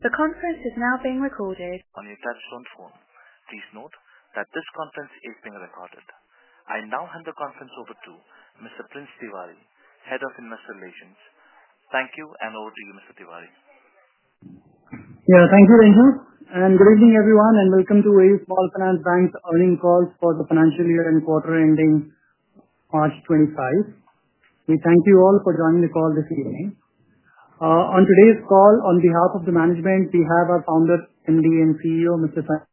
The conference is now being recorded. On your telephone phone. Please note that this conference is being recorded. I now hand the conference over to Mr. Prince Tiwari, Head of Investor Relations. Thank you, and over to you, Mr. Tiwari. Yeah, thank you, Ranju. Good evening, everyone, and welcome to AU Small Finance Bank's Earning Call for the Financial year and quarter ending March 2025. We thank you all for joining the call this evening. On today's call, on behalf of the management, we have our Founder, MD and CEO, Mr. Sanjay Agarwal,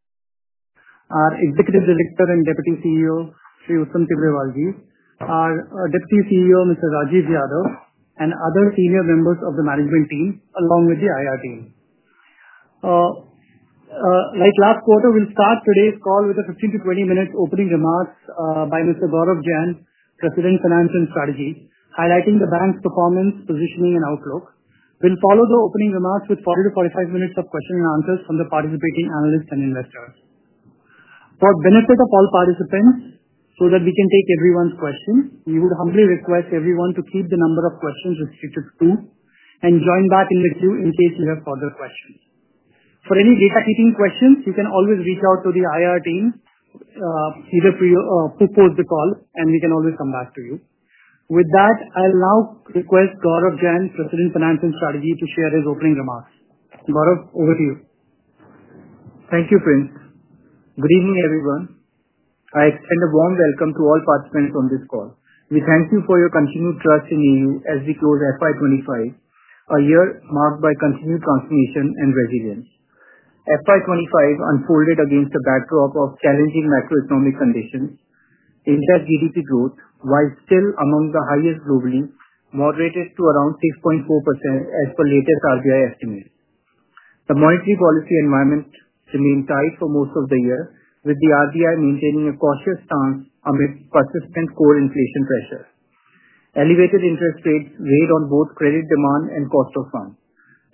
our Executive Director and Deputy CEO, Mr. Uttam Tibrewal, our Deputy CEO, Mr. Rajeev Yadav, and other senior members of the management team, along with the IR team. Like last quarter, we'll start today's call with a 15-20 minute opening remarks by Mr. Gaurav Jain, President, Finance and Strategy, highlighting the bank's performance, positioning, and outlook. We'll follow the opening remarks with 40-45 minutes of questions and answers from the participating analysts and investors. For the benefit of all participants, so that we can take everyone's questions, we would humbly request everyone to keep the number of questions restricted to two and join back in the queue in case you have further questions. For any data keeping questions, you can always reach out to the IR team, either post the call, and we can always come back to you. With that, I'll now request Gaurav Jain, President, Finance and Strategy, to share his opening remarks. Gaurav, over to you. Thank you, Prince. Good evening, everyone. I extend a warm welcome to all participants on this call. We thank you for your continued trust in AU as we close FY 2025, a year marked by continued transformation and resilience. FY 2025 unfolded against a backdrop of challenging macroeconomic conditions. India's GDP growth, while still among the highest globally, moderated to around 6.4% as per latest RBI estimates. The monetary policy environment remained tight for most of the year, with the RBI maintaining a cautious stance amid persistent core inflation pressure. Elevated interest rates weighed on both credit demand and cost of funds.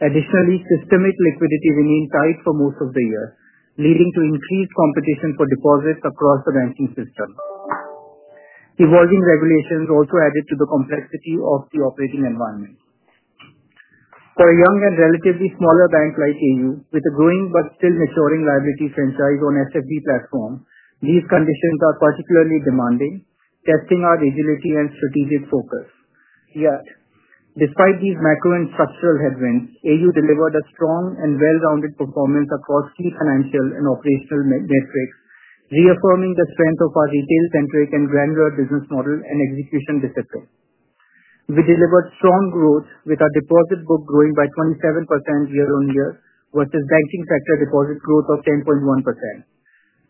Additionally, systemic liquidity remained tight for most of the year, leading to increased competition for deposits across the banking system. Evolving regulations also added to the complexity of the operating environment. For a young and relatively smaller bank like AU, with a growing but still maturing liability franchise on SFB platform, these conditions are particularly demanding, testing our agility and strategic focus. Yet, despite these macro and structural headwinds, AU delivered a strong and well-rounded performance across key financial and operational metrics, reaffirming the strength of our retail-centric and granular business model and execution discipline. We delivered strong growth, with our deposit book growing by 27% year-on-year versus banking sector deposit growth of 10.1%.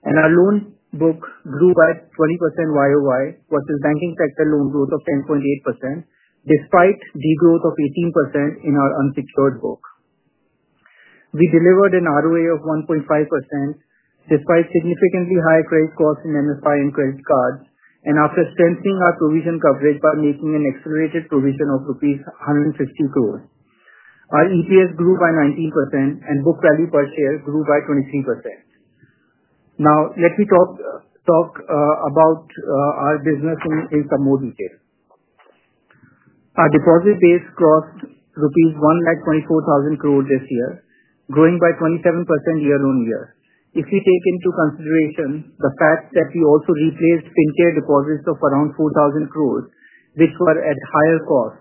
Our loan book grew by 20% year-on-year versus banking sector loan growth of 10.8%, despite degrowth of 18% in our unsecured book. We delivered an ROA of 1.5%, despite significantly higher credit costs in MFI and credit cards, and after strengthening our provision coverage by making an accelerated provision of INR 150 crore. Our EPS grew by 19%, and book value per share grew by 23%. Now, let me talk about our business in some more detail. Our deposit base crossed rupees 1,240,000 crore this year, growing by 27% year-on-year. If we take into consideration the fact that we also replaced fintech deposits of around 4,000 crore, which were at higher cost,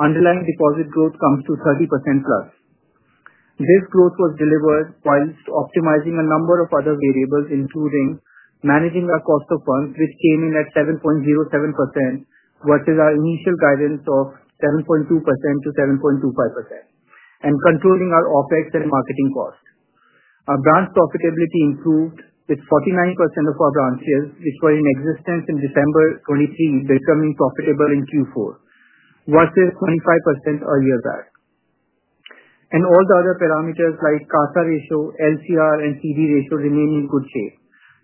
underlying deposit growth comes to 30% plus. This growth was delivered whilst optimizing a number of other variables, including managing our cost of funds, which came in at 7.07% versus our initial guidance of 7.2%-7.25%, and controlling our OPEX and marketing costs. Our branch profitability improved with 49% of our branches, which were in existence in December 2023, becoming profitable in Q4, versus 25% a year back. All the other parameters like CASA ratio, LCR, and CD ratio remain in good shape.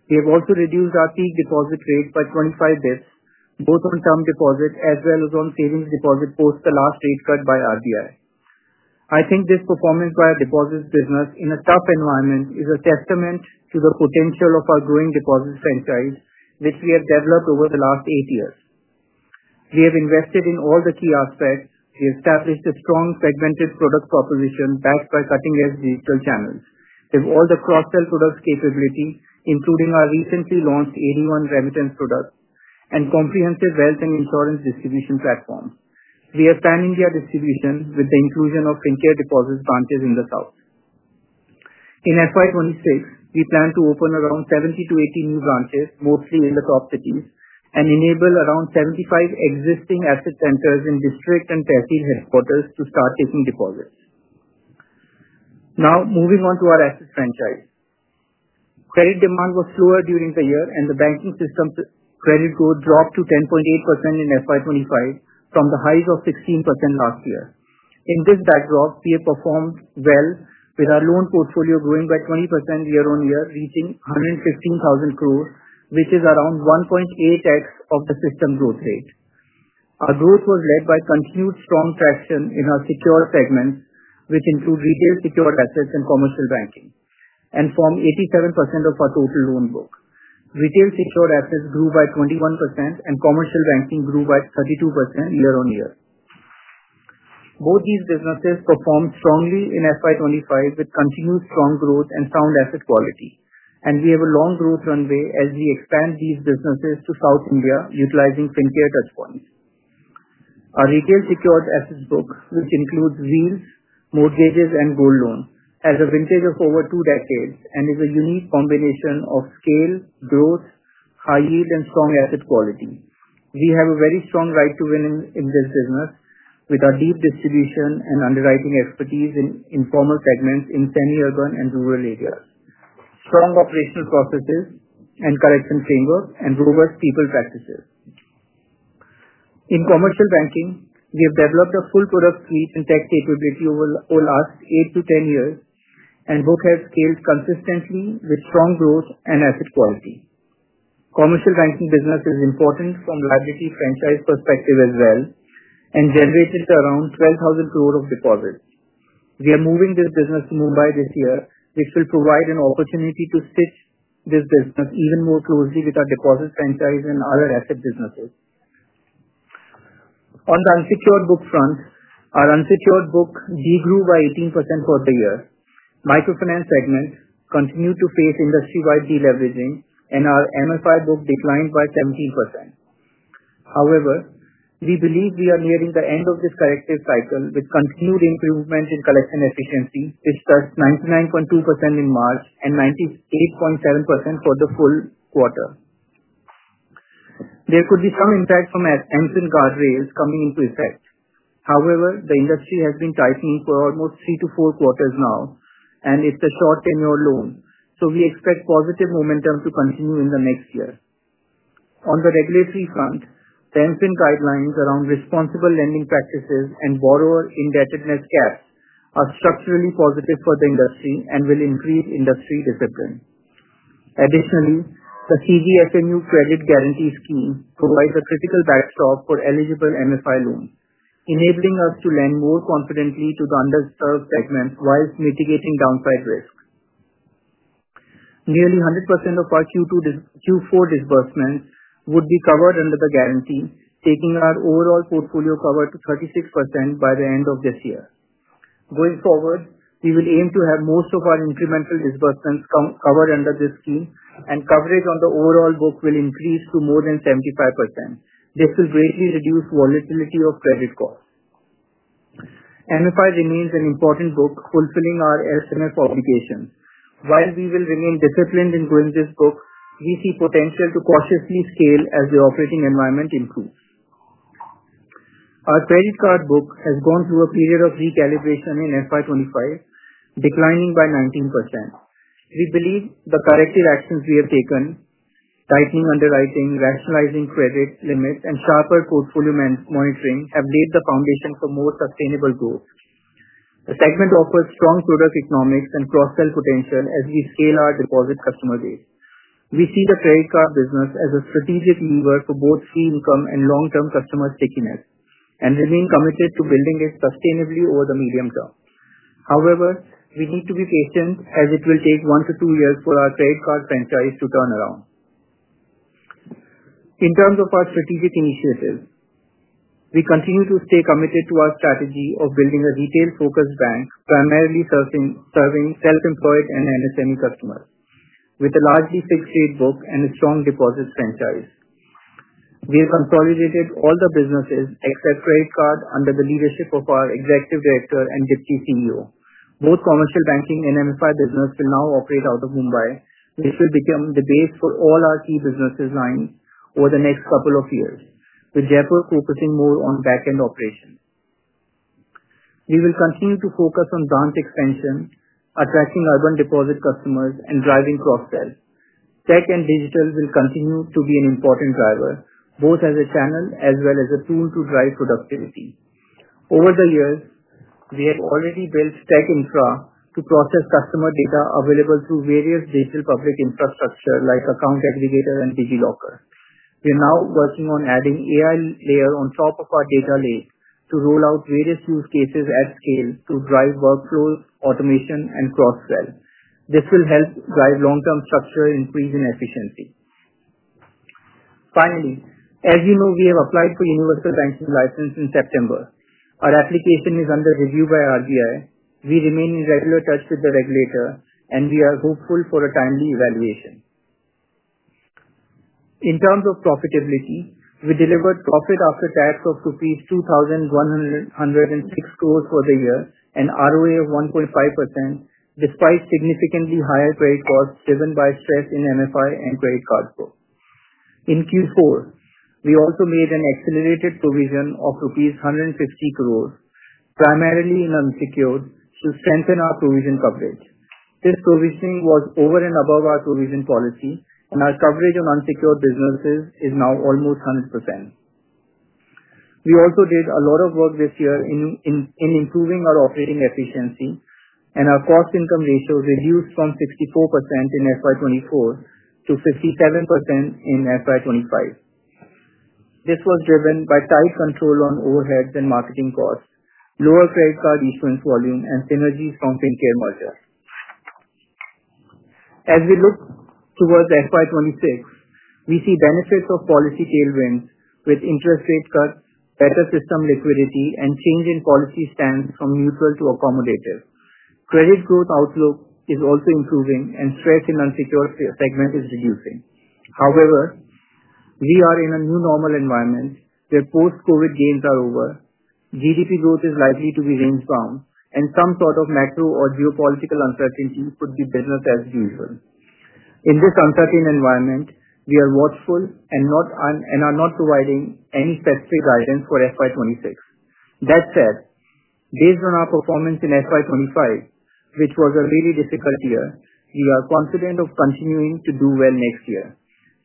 We have also reduced our peak deposit rate by 25 basis points, both on term deposit as well as on savings deposit post the last rate cut by RBI. I think this performance by our deposits business in a tough environment is a testament to the potential of our growing deposits franchise, which we have developed over the last eight years. We have invested in all the key aspects. We established a strong segmented product proposition backed by cutting-edge digital channels. We have all the cross-sell products capability, including our recently launched 81 remittance products and comprehensive wealth and insurance distribution platforms. We have pan-India distribution with the inclusion of fintech deposits branches in the south. In FY 2026, we plan to open around 70-80 new branches, mostly in the top cities, and enable around 75 existing asset centers in district and tehsil headquarters to start taking deposits. Now, moving on to our asset franchise. Credit demand was slower during the year, and the banking system's credit growth dropped to 10.8% in 2025 from the highs of 16% last year. In this backdrop, we have performed well, with our loan portfolio growing by 20% year-on-year, reaching 115,000 crore, which is around 1.8x of the system growth rate. Our growth was led by continued strong traction in our secure segments, which include retail secured assets and commercial banking, and form 87% of our total loan book. Retail secured assets grew by 21%, and commercial banking grew by 32% year-on-year. Both these businesses performed strongly in 2025 with continued strong growth and sound asset quality, and we have a long growth runway as we expand these businesses to South India, utilizing fintech touchpoints. Our retail secured assets book, which includes wheels, mortgages, and gold loans, has a vintage of over two decades and is a unique combination of scale, growth, high yield, and strong asset quality. We have a very strong right to win in this business with our deep distribution and underwriting expertise in informal segments in semi-urban and rural areas, strong operational processes and correction framework, and robust people practices. In commercial banking, we have developed a full product suite and tech capability over the last 8 to 10 years, and book has scaled consistently with strong growth and asset quality. Commercial banking business is important from liability franchise perspective as well and generated around 12,000 crore of deposits. We are moving this business to Mumbai this year, which will provide an opportunity to stitch this business even more closely with our deposit franchise and other asset businesses. On the unsecured book front, our unsecured book degrew by 18% for the year. Microfinance segment continued to face industry-wide deleveraging, and our MFI book declined by 17%. However, we believe we are nearing the end of this corrective cycle with continued improvement in collection efficiency, which touched 99.2% in March and 98.7% for the full quarter. There could be some impact from Anfin guardrails coming into effect. However, the industry has been tightening for almost three to four quarters now, and it is a short tenure loan, so we expect positive momentum to continue in the next year. On the regulatory front, the Anfin guidelines around responsible lending practices and borrower indebtedness gaps are structurally positive for the industry and will increase industry discipline. Additionally, the CGFMU credit guarantee scheme provides a critical backstop for eligible MFI loans, enabling us to lend more confidently to the underserved segments whilst mitigating downside risk. Nearly 100% of our Q4 disbursements would be covered under the guarantee, taking our overall portfolio cover to 36% by the end of this year. Going forward, we will aim to have most of our incremental disbursements covered under this scheme, and coverage on the overall book will increase to more than 75%. This will greatly reduce volatility of credit costs. MFI remains an important book, fulfilling our SMF obligations. While we will remain disciplined in growing this book, we see potential to cautiously scale as the operating environment improves. Our credit card book has gone through a period of recalibration in FY 2025, declining by 19%. We believe the corrective actions we have taken, tightening underwriting, rationalizing credit limits, and sharper portfolio monitoring have laid the foundation for more sustainable growth. The segment offers strong product economics and cross-sell potential as we scale our deposit customer base. We see the credit card business as a strategic lever for both fee income and long-term customer stickiness and remain committed to building it sustainably over the medium term. However, we need to be patient as it will take one to two years for our credit card franchise to turn around. In terms of our strategic initiatives, we continue to stay committed to our strategy of building a retail-focused bank primarily serving self-employed and SME customers, with a largely fixed-rate book and a strong deposits franchise. We have consolidated all the businesses except credit card under the leadership of our Executive Director and Deputy CEO. Both commercial banking and MFI business will now operate out of Mumbai, which will become the base for all our key business lines over the next couple of years, with Jethur focusing more on back-end operations. We will continue to focus on grant expansion, attracting urban deposit customers, and driving cross-sell. Tech and digital will continue to be an important driver, both as a channel as well as a tool to drive productivity. Over the years, we have already built tech infra to process customer data available through various digital public infrastructure like account aggregator and DigiLocker. We are now working on adding AI layer on top of our data lake to roll out various use cases at scale to drive workflow automation and cross-sell. This will help drive long-term structure, increasing efficiency. Finally, as you know, we have applied for universal banking license in September. Our application is under review by RBI. We remain in regular touch with the regulator, and we are hopeful for a timely evaluation. In terms of profitability, we delivered profit after tax of rupees 2,106 crore for the year and ROA of 1.5%, despite significantly higher credit costs driven by stress in MFI and credit card books. In Q4, we also made an accelerated provision of rupees 150 crore, primarily in unsecured, to strengthen our provision coverage. This provisioning was over and above our provision policy, and our coverage on unsecured businesses is now almost 100%. We also did a lot of work this year in improving our operating efficiency, and our cost-income ratio reduced from 64% in FY 2024 to 57% in FY 2025. This was driven by tight control on overheads and marketing costs, lower credit card issuance volume, and synergies from fintech mergers. As we look towards FY 2026, we see benefits of policy tailwinds with interest rate cuts, better system liquidity, and change in policy stance from neutral to accommodative. Credit growth outlook is also improving, and stress in unsecured segment is reducing. However, we are in a new normal environment where post-COVID gains are over, GDP growth is likely to be range-bound, and some sort of macro or geopolitical uncertainty could be business as usual. In this uncertain environment, we are watchful and are not providing any specific guidance for FY 2026. That said, based on our performance in FY 2025, which was a really difficult year, we are confident of continuing to do well next year.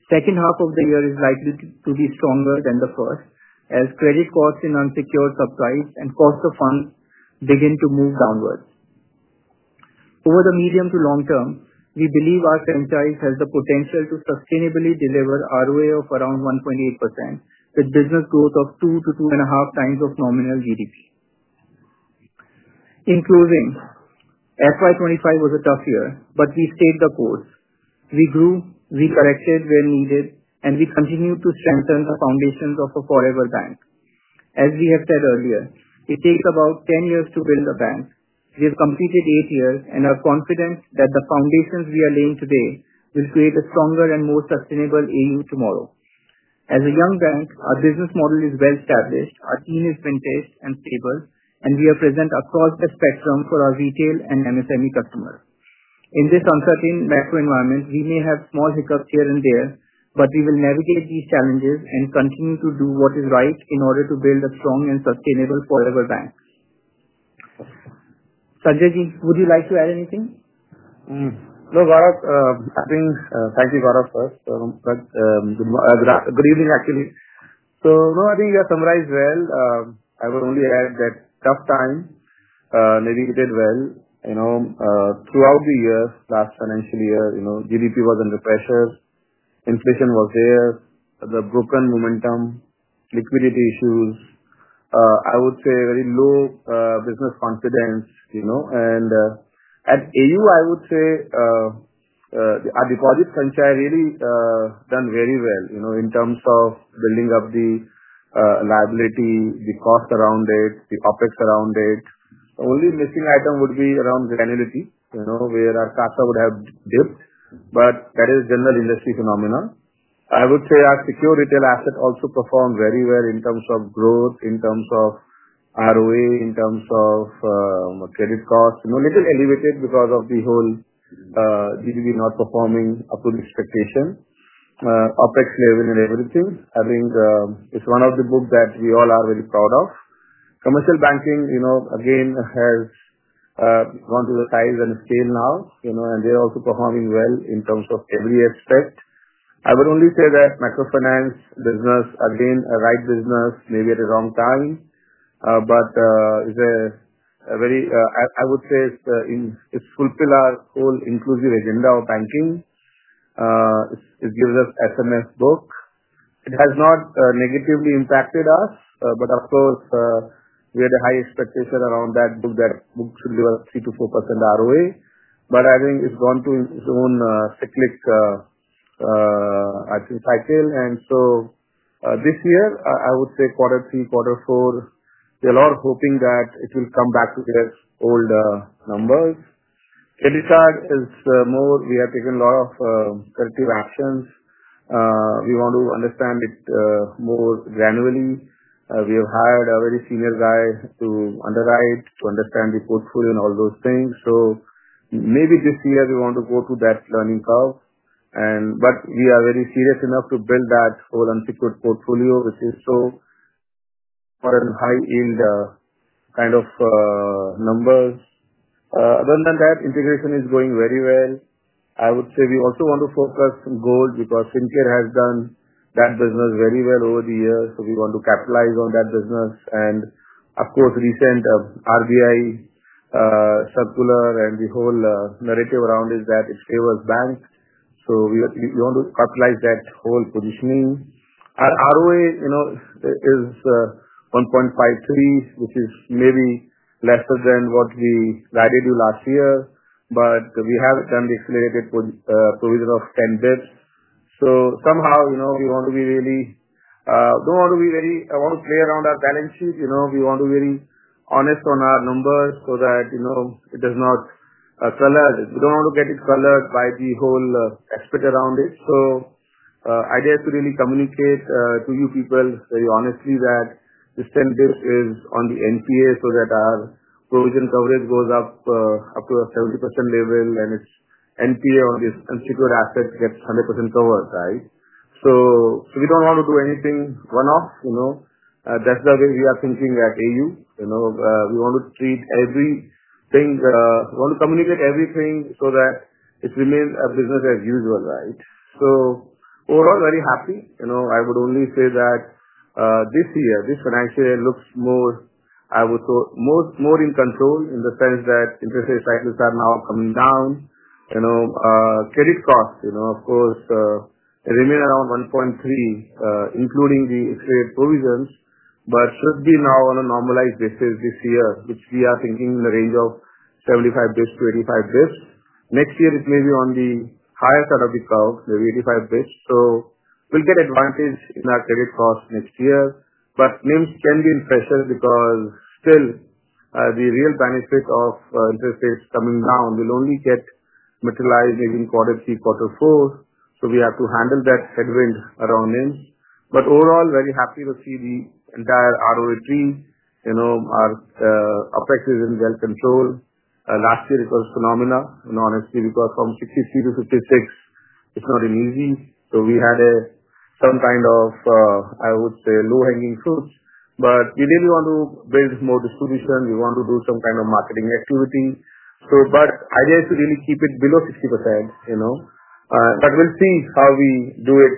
The second half of the year is likely to be stronger than the first, as credit costs in unsecured subtypes and cost of funds begin to move downward. Over the medium to long term, we believe our franchise has the potential to sustainably deliver ROA of around 1.8%, with business growth of 2-2.5 times of nominal GDP. In closing, FY 2025 was a tough year, but we stayed the course. We grew, we corrected where needed, and we continued to strengthen the foundations of a forever bank. As we have said earlier, it takes about 10 years to build a bank. We have completed eight years, and we are confident that the foundations we are laying today will create a stronger and more sustainable AU tomorrow. As a young bank, our business model is well-established, our team is vintage and stable, and we are present across the spectrum for our retail and MSME customers. In this uncertain macro environment, we may have small hiccups here and there, but we will navigate these challenges and continue to do what is right in order to build a strong and sustainable forever bank. Sanjay Ji, would you like to add anything? No, Gaurav, I think thank you, Gaurav first. Good evening, actually. No, I think you have summarized well. I would only add that tough time, navigated well. Throughout the year, last financial year, GDP was under pressure, inflation was there, the broken momentum, liquidity issues. I would say very low business confidence. At AU, I would say our deposits franchise really done very well in terms of building up the liability, the cost around it, the OPEX around it. The only missing item would be around granularity, where our CASA would have dipped, but that is a general industry phenomenon. I would say our secured retail asset also performed very well in terms of growth, in terms of ROA, in terms of credit costs. A little elevated because of the whole GDP not performing up to the expectation. OPEX level and everything, I think it's one of the books that we all are very proud of. Commercial banking, again, has gone to the size and scale now, and they're also performing well in terms of every aspect. I would only say that microfinance business, again, a right business, maybe at the wrong time, but it's a very, I would say it's fulfilled our whole inclusive agenda of banking. It gives us SMF book. It has not negatively impacted us, but of course, we had a high expectation around that book, that book should deliver 3%-4% ROA. I think it's gone to its own cyclic, I think, cycle. This year, I would say quarter three, quarter four, we're all hoping that it will come back to its old numbers. Credit card is more, we have taken a lot of corrective actions. We want to understand it more granularly. We have hired a very senior guy to underwrite, to understand the portfolio and all those things. Maybe this year we want to go to that learning curve, but we are very serious enough to build that whole unsecured portfolio, which is so high-yield kind of numbers. Other than that, integration is going very well. I would say we also want to focus on gold because fintech has done that business very well over the years, so we want to capitalize on that business. Of course, recent RBI circular and the whole narrative around is that it's a favorable bank, so we want to capitalize that whole positioning. Our ROA is 1.53, which is maybe lesser than what we guided you last year, but we have done the accelerated provision of 10 basis points. Somehow we really don't want to be very, I want to play around our balance sheet. We want to be very honest on our numbers so that it does not color, we don't want to get it colored by the whole aspect around it. Idea is to really communicate to you people very honestly that this 10 basis points is on the NPA so that our provision coverage goes up to a 70% level, and its NPA on this unsecured asset gets 100% covered, right? We don't want to do anything one-off. That's the way we are thinking at AU. We want to treat everything, we want to communicate everything so that it remains a business as usual, right? Overall, very happy. I would only say that this year, this financial year looks more, I would say, more in control in the sense that interest rate cycles are now coming down. Credit costs, of course, remain around 1.3, including the extra provisions, but should be now on a normalized basis this year, which we are thinking in the range of 75 basis points to 85 basis points. Next year, it may be on the higher side of the curve, maybe 85 basis points. We will get advantage in our credit costs next year, but NIMs can be in pressure because still the real benefit of interest rates coming down will only get materialized maybe in quarter three, quarter four. We have to handle that headwind around names. Overall, very happy to see the entire ROA tree. Our OPEX is in well control. Last year, it was a phenomenon, honestly, because from 63%-56%, it's not easy. We had some kind of, I would say, low-hanging fruits, but we really want to build more distribution. We want to do some kind of marketing activity. Idea is to really keep it below 60%. We'll see how we do it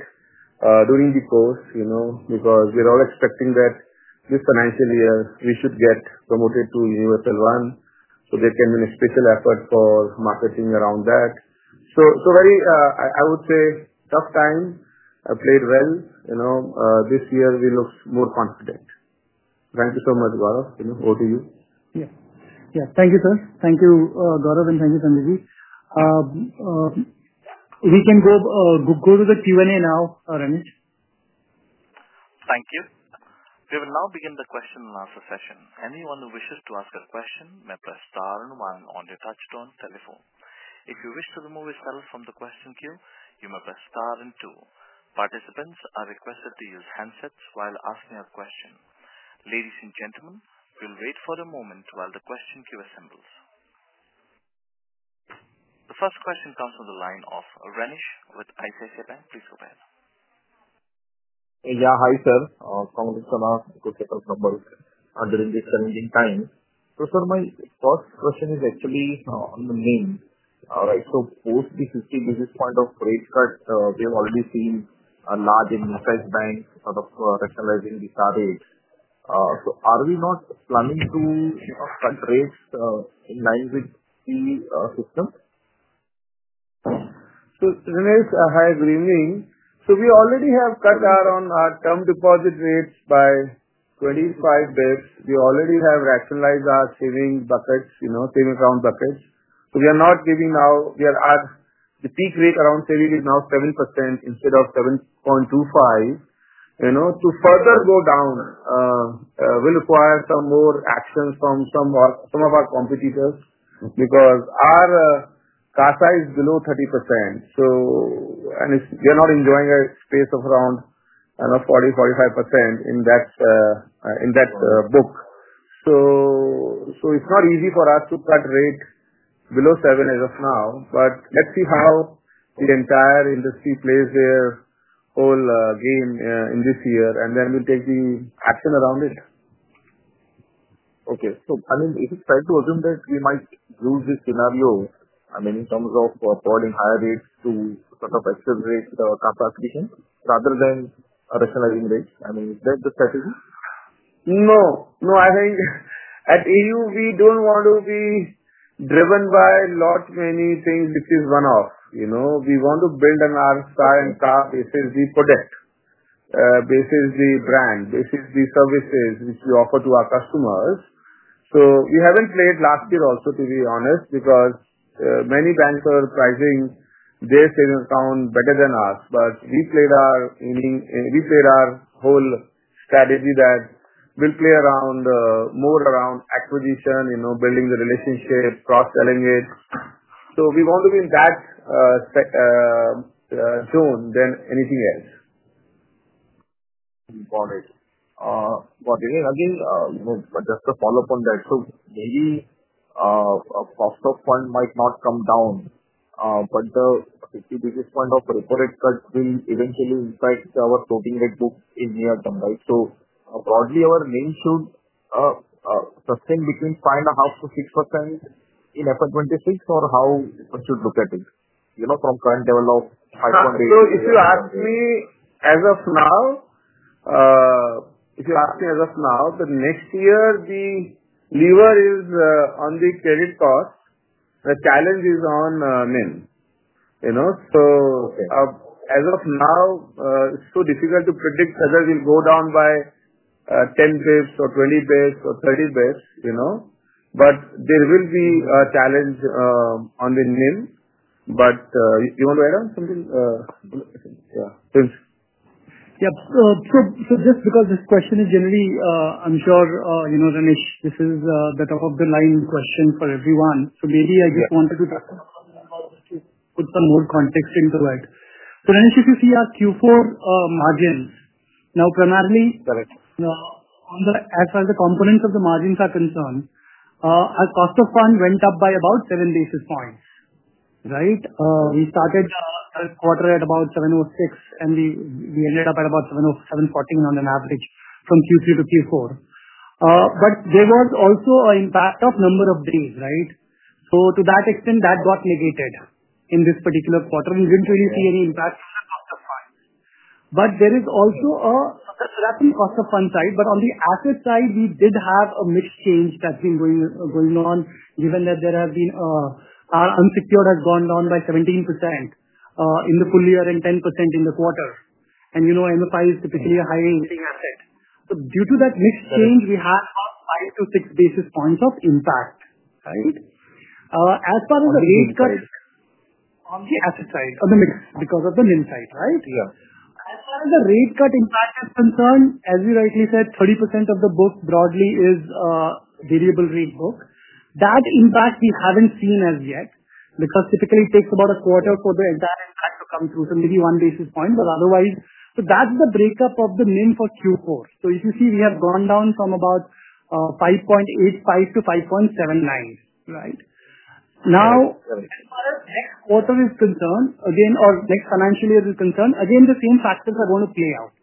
during the course because we're all expecting that this financial year we should get promoted to Universal One, so there can be an especial effort for marketing around that. Very, I would say, tough time. I played well. This year, we look more confident. Thank you so much, Gaurav. Over to you. Yeah. Yeah. Thank you, sir. Thank you, Gaurav, and thank you, Sanjay Ji. We can go to the Q&A now, Ranish. Thank you. We will now begin the question and answer session. Anyone who wishes to ask a question may press star and one on your touchstone telephone. If you wish to remove yourself from the question queue, you may press star and two. Participants are requested to use handsets while asking a question. Ladies and gentlemen, we'll wait for a moment while the question queue assembles. The first question comes from the line of Ranish with ICICI Bank. Please go ahead. Yeah. Hi, sir. Congrats on our successful conference under this challenging time. My first question is actually on the names, right? Post the 50 basis point of rate cut, we have already seen a large interest bank sort of rationalizing the rate. Are we not planning to cut rates in line with the system? Ranish, hi, good evening. We already have cut down on our term deposit rates by 25 basis points. We already have rationalized our savings account buckets. We are not giving now the peak rate around savings is now 7% instead of 7.25%. To further go down, we will require some more action from some of our competitors because our CASA is below 30%. We are not enjoying a space of around 40%-45% in that book. It is not easy for us to cut rate below 7% as of now, but let's see how the entire industry plays their whole game in this year, and then we will take the action around it. Okay. I mean, is it fair to assume that we might use this scenario, I mean, in terms of providing higher rates to sort of accelerate CASA acquisition rather than rationalizing rates? I mean, is that the strategy? No. No, I think at AU, we do not want to be driven by a lot many things which is one-off. We want to build on our star and CASA basis the product, basis the brand, basis the services which we offer to our customers. We have not played last year also, to be honest, because many banks are pricing their savings account better than us, but we played our whole strategy that we will play around more around acquisition, building the relationship, cross-selling it. We want to be in that zone than anything else. Got it. Got it. Again, just to follow up on that, maybe a cost of fund might not come down, but the 50 basis point of reported cut will eventually impact our floating rate book in near term, right? Broadly, our NIM should sustain between 5.5%-6% in FY 2026, or how should we look at it from the current level of 5.8%? If you ask me as of now, if you ask me as of now, the next year, the lever is on the credit cost. The challenge is on NIMs. As of now, it's so difficult to predict whether we'll go down by 10 basis points or 20 basis points or 30 basis points. There will be a challenge on the NIMs, but you want to add on something? Yeah. Thanks. Yeah. Just because this question is generally, I'm sure, Ranish, this is the top of the line question for everyone. Maybe I just wanted to put some more context into it. Ranish, if you see our Q4 margins, now primarily as far as the components of the margins are concerned, our cost of fund went up by about 7 basis points, right? We started the third quarter at about 706, and we ended up at about 714 on an average from Q3 to Q4. There was also an impact of number of days, right? To that extent, that got negated in this particular quarter. We did not really see any impact on the cost of funds. That is the cost of fund side, but on the asset side, we did have a mix change that has been going on, given that our unsecured has gone down by 17% in the full year and 10% in the quarter. MFI is typically a high-end asset. Due to that mix change, we had about 5-6 basis points of impact, right? As far as the rate cut on the asset side, on the mix because of the NIM side, right? As far as the rate cut impact is concerned, as you rightly said, 30% of the book broadly is variable rate book. That impact we have not seen as yet because typically it takes about a quarter for the entire impact to come through, so maybe 1 basis point, but otherwise. That is the breakup of the NIM for Q4. If you see, we have gone down from about 5.85-5.79, right? Now, as far as next quarter is concerned, again, or next financial year is concerned, again, the same factors are going to play out.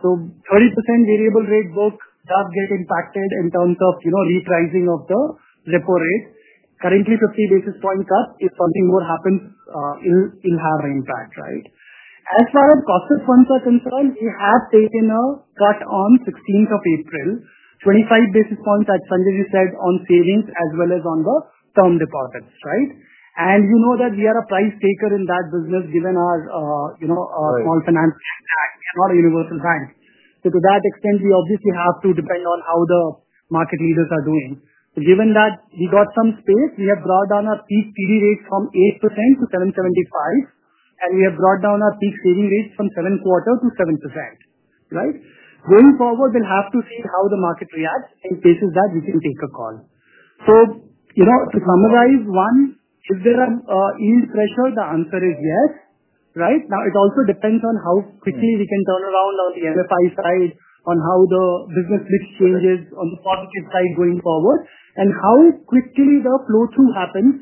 So 30% variable rate book does get impacted in terms of repricing of the repo rate. Currently, 50 basis point cut is something more happens in harder impact, right? As far as cost of funds are concerned, we have taken a cut on 16th of April, 25 basis points, as Sanjay Ji said, on savings as well as on the term deposits, right? You know that we are a price taker in that business, given our small finance impact. We are not a universal bank. To that extent, we obviously have to depend on how the market leaders are doing. Given that, we got some space. We have brought down our peak TD rate from 8%-7.75%, and we have brought down our peak saving rate from 7.25%-7%, right? Going forward, we'll have to see how the market reacts. In cases that, we can take a call. To summarize, one, is there a yield pressure? The answer is yes, right? Now, it also depends on how quickly we can turn around on the MFI side, on how the business mix changes on the positive side going forward, and how quickly the flow-through happens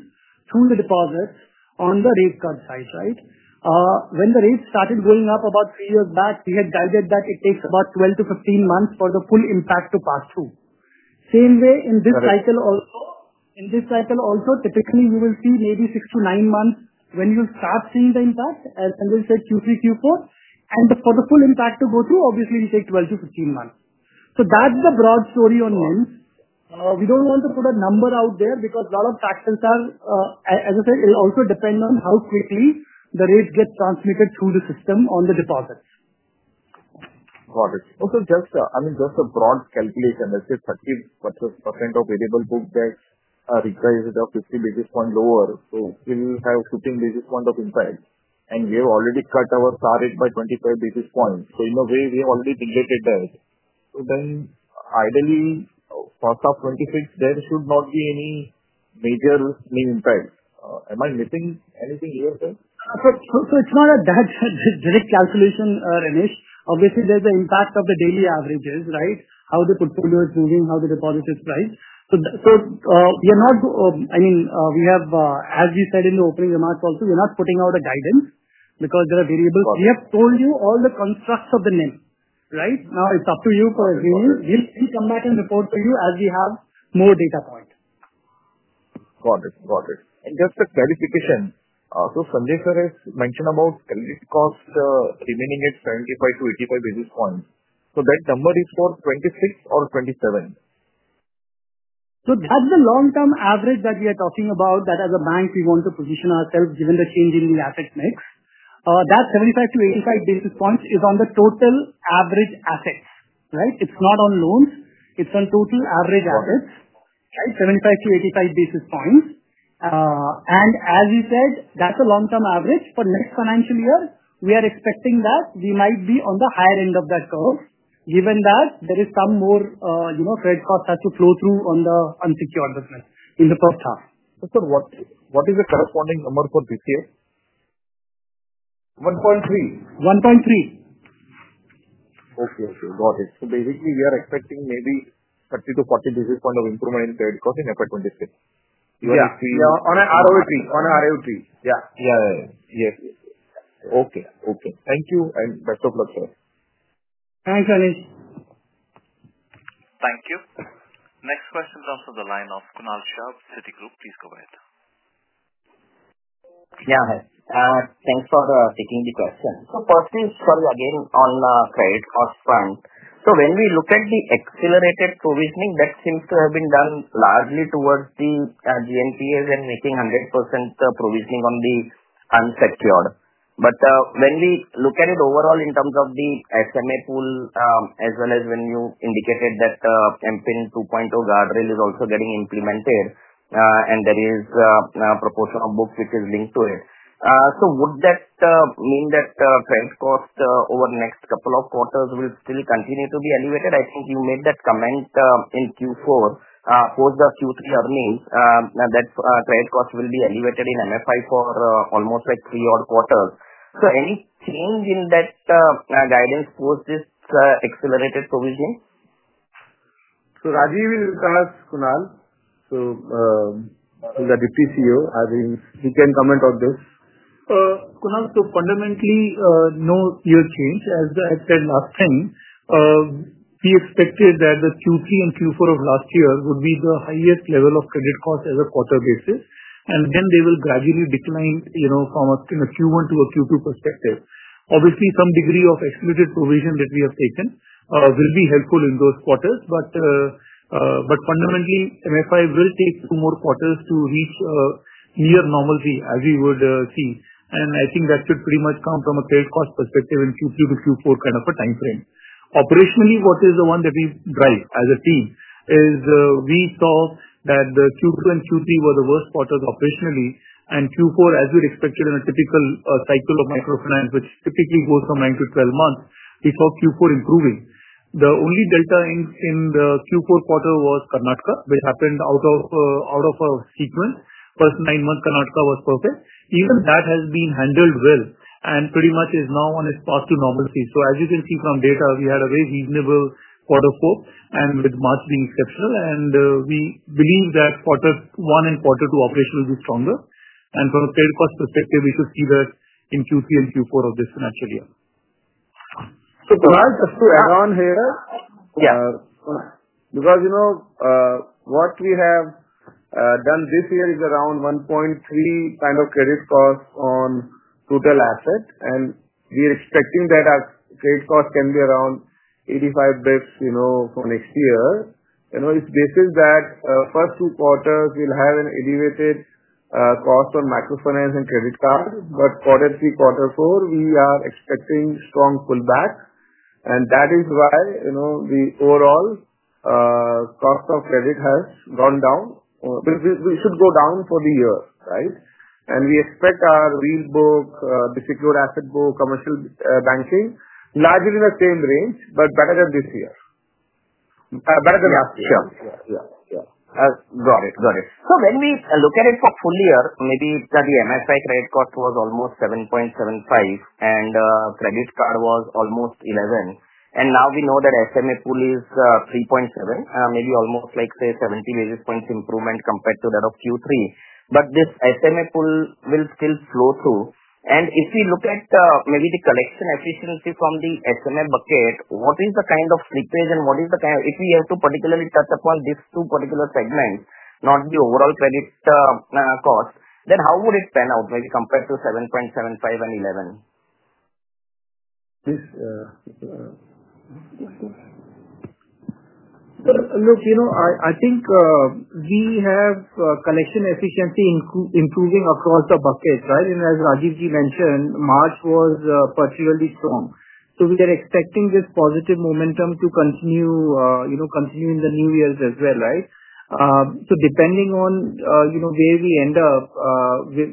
through the deposits on the rate cut side, right? When the rates started going up about three years back, we had guided that it takes about 12-15 months for the full impact to pass through. Same way in this cycle also. In this cycle also, typically you will see maybe 6-9 months when you start seeing the impact, as Sanjay said, Q3, Q4. For the full impact to go through, obviously, we take 12-15 months. That is the broad story on names. We don't want to put a number out there because a lot of factors are, as I said, it'll also depend on how quickly the rates get transmitted through the system on the deposits. Got it. Also, I mean, just a broad calculation, let's say 30% of variable book debt requires a 50 basis point lower, so we'll have 15 basis point of impact. And we have already cut our star rate by 25 basis points. In a way, we have already neglected that. Ideally, cost of 26, there should not be any major name impact. Am I missing anything here? It's not a direct calculation, Ranish. Obviously, there's the impact of the daily averages, right? How the portfolio is moving, how the deposit is priced. We are not, I mean, we have, as we said in the opening remarks also, we are not putting out a guidance because there are variables. We have told you all the constructs of the NIM, right? Now, it is up to you for agreeing. We will come back and report to you as we have more data point. Got it. Got it. Just a clarification. Sanjay sir has mentioned about credit cost remaining at 75-85 basis points. That number is for 2026 or 2027? That is the long-term average that we are talking about, that as a bank, we want to position ourselves given the change in the asset mix. That 75-85 basis points is on the total average assets, right? It is not on loans. It is on total average assets, right? 75-85 basis points. As you said, that is a long-term average. For next financial year, we are expecting that we might be on the higher end of that curve, given that there is some more credit cost that has to flow through on the unsecured business in the first half. Sir, what is the corresponding number for this year? 1.3. 1.3. Okay. Got it. Basically, we are expecting maybe 30-40 basis points of improvement in credit cost in FY 2026. Yeah. On ROA 3. On ROA 3. Yeah. Yeah. Yes. Okay. Thank you. Best of luck, sir. Thanks, Ranish. Thank you. Next question comes from the line of Kunal Shah, Citigroup. Please go ahead. Yeah. Thanks for taking the question. Firstly, sorry, again, on credit cost front. When we look at the accelerated provisioning, that seems to have been done largely towards the GNPs and making 100% provisioning on the unsecured. When we look at it overall in terms of the SMA pool, as well as when you indicated that MPIN 2.0 guardrail is also getting implemented, and there is a proportion of book which is linked to it. Would that mean that credit cost over the next couple of quarters will still continue to be elevated? I think you made that comment in Q4, post the Q3 earnings, that credit cost will be elevated in MFI for almost like three odd quarters. Any change in that guidance post this accelerated provisioning? Rajeev will ask Kunal. He is the Deputy CEO. I think he can comment on this. Kunal, fundamentally, no year change. As I said last time, we expected that the Q3 and Q4 of last year would be the highest level of credit cost as a quarter basis. They will gradually decline from a Q1 to a Q2 perspective. Obviously, some degree of excluded provision that we have taken will be helpful in those quarters. Fundamentally, MFI will take two more quarters to reach near normalcy as we would see. I think that should pretty much come from a credit cost perspective in Q3 to Q4 kind of a time frame. Operationally, what we drive as a team is we saw that the Q2 and Q3 were the worst quarters operationally, and Q4, as we expected in a typical cycle of microfinance, which typically goes from 9 to 12 months, we saw Q4 improving. The only delta in the Q4 quarter was Karnataka, which happened out of a sequence. First nine months, Karnataka was perfect. Even that has been handled well and pretty much is now on its path to normalcy. As you can see from data, we had a very reasonable quarter four, with March being exceptional. We believe that quarter one and quarter two operationally will be stronger. From a credit cost perspective, we should see that in Q3 and Q4 of this financial year. Kunal, just to add on here. Yeah. What we have done this year is around 1.3 kind of credit cost on total asset, and we are expecting that our credit cost can be around 85 basis points for next year. It is basic that first two quarters will have an elevated cost on microfinance and credit card, but quarter three, quarter four, we are expecting strong pullback. That is why the overall cost of credit has gone down. We should go down for the year, right? We expect our real book, the secured asset book, commercial banking, largely in the same range, but better than this year. Better than last year. Sure. Yeah. Yeah. Yeah. Got it. Got it. When we look at it for full year, maybe the MFI credit cost was almost 7.75, and credit card was almost 11. Now we know that SMA pool is 3.7, maybe almost like, say, 70 basis points improvement compared to that of Q3. This SMA pool will still flow through. If we look at maybe the collection efficiency from the SMA bucket, what is the kind of slippage and what is the kind of, if we have to particularly touch upon these two particular segments, not the overall credit cost, then how would it pan out maybe compared to 7.75 and 11? I think we have collection efficiency improving across the buckets, right? As Rajeev Ji mentioned, March was particularly strong. We are expecting this positive momentum to continue in the new years as well, right? Depending on where we end up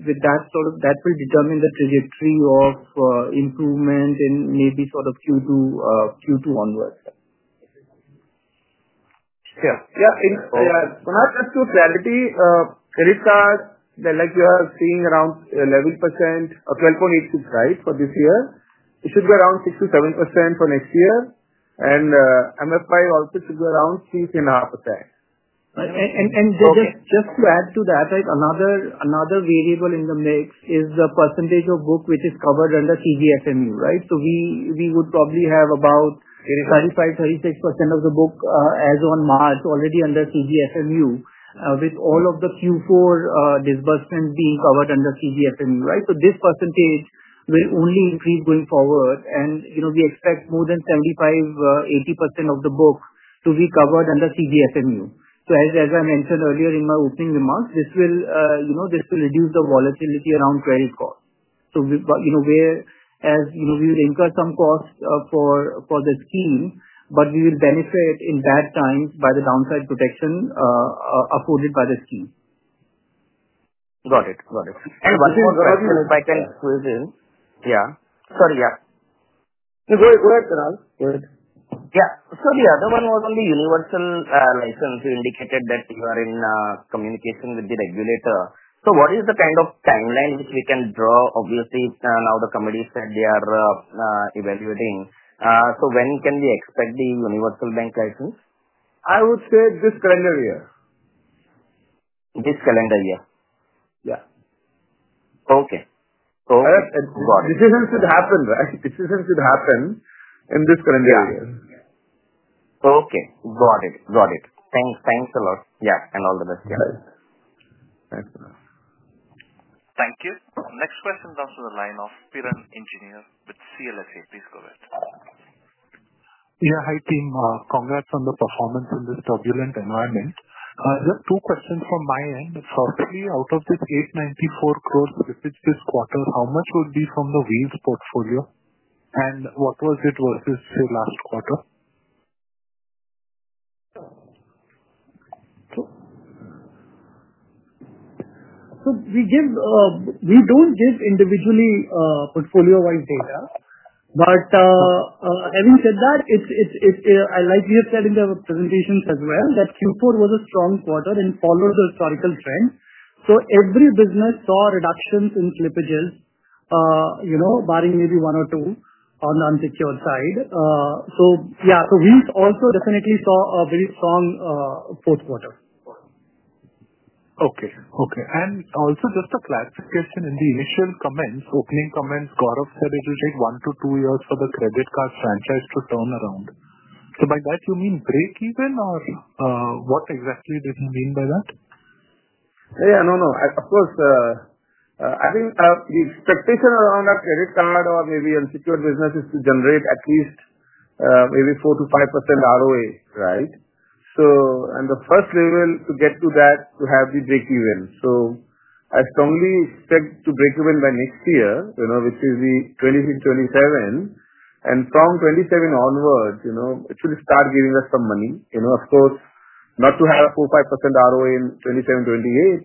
with that, that will determine the trajectory of improvement in maybe sort of Q2 onwards. Yeah. Yeah. Kunal, just to clarify, credit card, like you are seeing around 11%-12.86%, right, for this year. It should be around 6%-7% for next year. MFI also should be around 3.5%. Just to add to that, another variable in the mix is the percentage of book which is covered under CGFMU, right? We would probably have about 35%-36% of the book as on March already under CGFMU, with all of the Q4 disbursements being covered under CGFMU, right? This percentage will only increase going forward, and we expect more than 75%-80% of the book to be covered under CGFMU. As I mentioned earlier in my opening remarks, this will reduce the volatility around credit cost. We will incur some cost for the scheme, but we will benefit in bad times by the downside protection afforded by the scheme. Got it. Got it. One more question if I can squeeze in. Yeah. Sorry. Yeah. No, go ahead, Kunal. Go ahead. The other one was on the universal license. You indicated that you are in communication with the regulator. What is the kind of timeline which we can draw? Obviously, now the committee said they are evaluating. When can we expect the universal bank license? I would say this calendar year. This calendar year. Yeah. Okay. Got it. This should not happen, right? This should not happen in this calendar year. Yeah. Okay. Got it. Got it. Thanks. Thanks a lot. Yeah. All the best. Yeah. Thank you. Next question comes from the line of Piran Engineer with CLSA. Please go ahead. Yeah. Hi team. Congrats on the performance in this turbulent environment. Just two questions from my end. Firstly, out of this 894 crore with which this quarter, how much would be from the Wheels portfolio? And what was it versus, say, last quarter? We do not give individually portfolio-wise data. Like you have said in the presentations as well, Q4 was a strong quarter and followed the historical trend. Every business saw reductions in slippages, barring maybe one or two on the unsecured side. Wheels also definitely saw a very strong fourth quarter. Okay. Okay. Also, just a clarification in the initial comments, opening comments, Gaurav said it will take one to two years for the credit card franchise to turn around. By that, you mean breakeven or what exactly did he mean by that? Yeah. No, no. Of course. I think the expectation around that credit card or maybe unsecured business is to generate at least maybe 4%-5% ROA, right? The first level to get to that is to have the breakeven. I strongly expect to breakeven by next year, which is 2027. From 2027 onwards, it should start giving us some money. Of course, not to have a 4%-5% ROA in 2027-2028,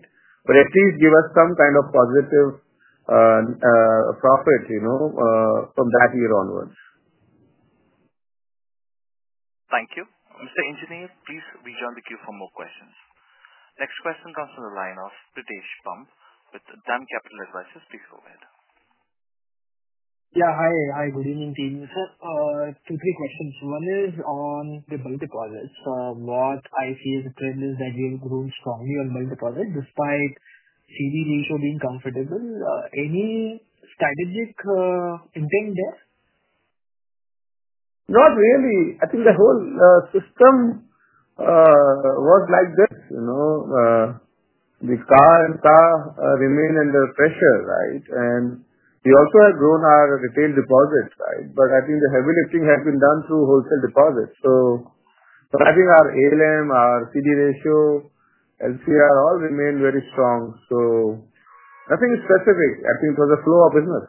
but at least give us some kind of positive profit from that year onwards. Thank you. Mr. Engineer, please rejoin the queue for more questions. Next question comes from the line of Pritesh Bumb with DAM Capital Advisors. Please go ahead. Yeah. Hi. Hi. Good evening, team. Two, three questions. One is on the bulk deposits. What I see as a trend is that we have grown strongly on bulk deposits despite CD ratio being comfortable. Any strategic intent there? Not really. I think the whole system was like this. The CASA and CASA remain under pressure, right? We also have grown our retail deposits, right? I think the heavy lifting has been done through wholesale deposits. I think our ALM, our CD ratio, LCR all remain very strong. Nothing specific. I think it was a flow of business.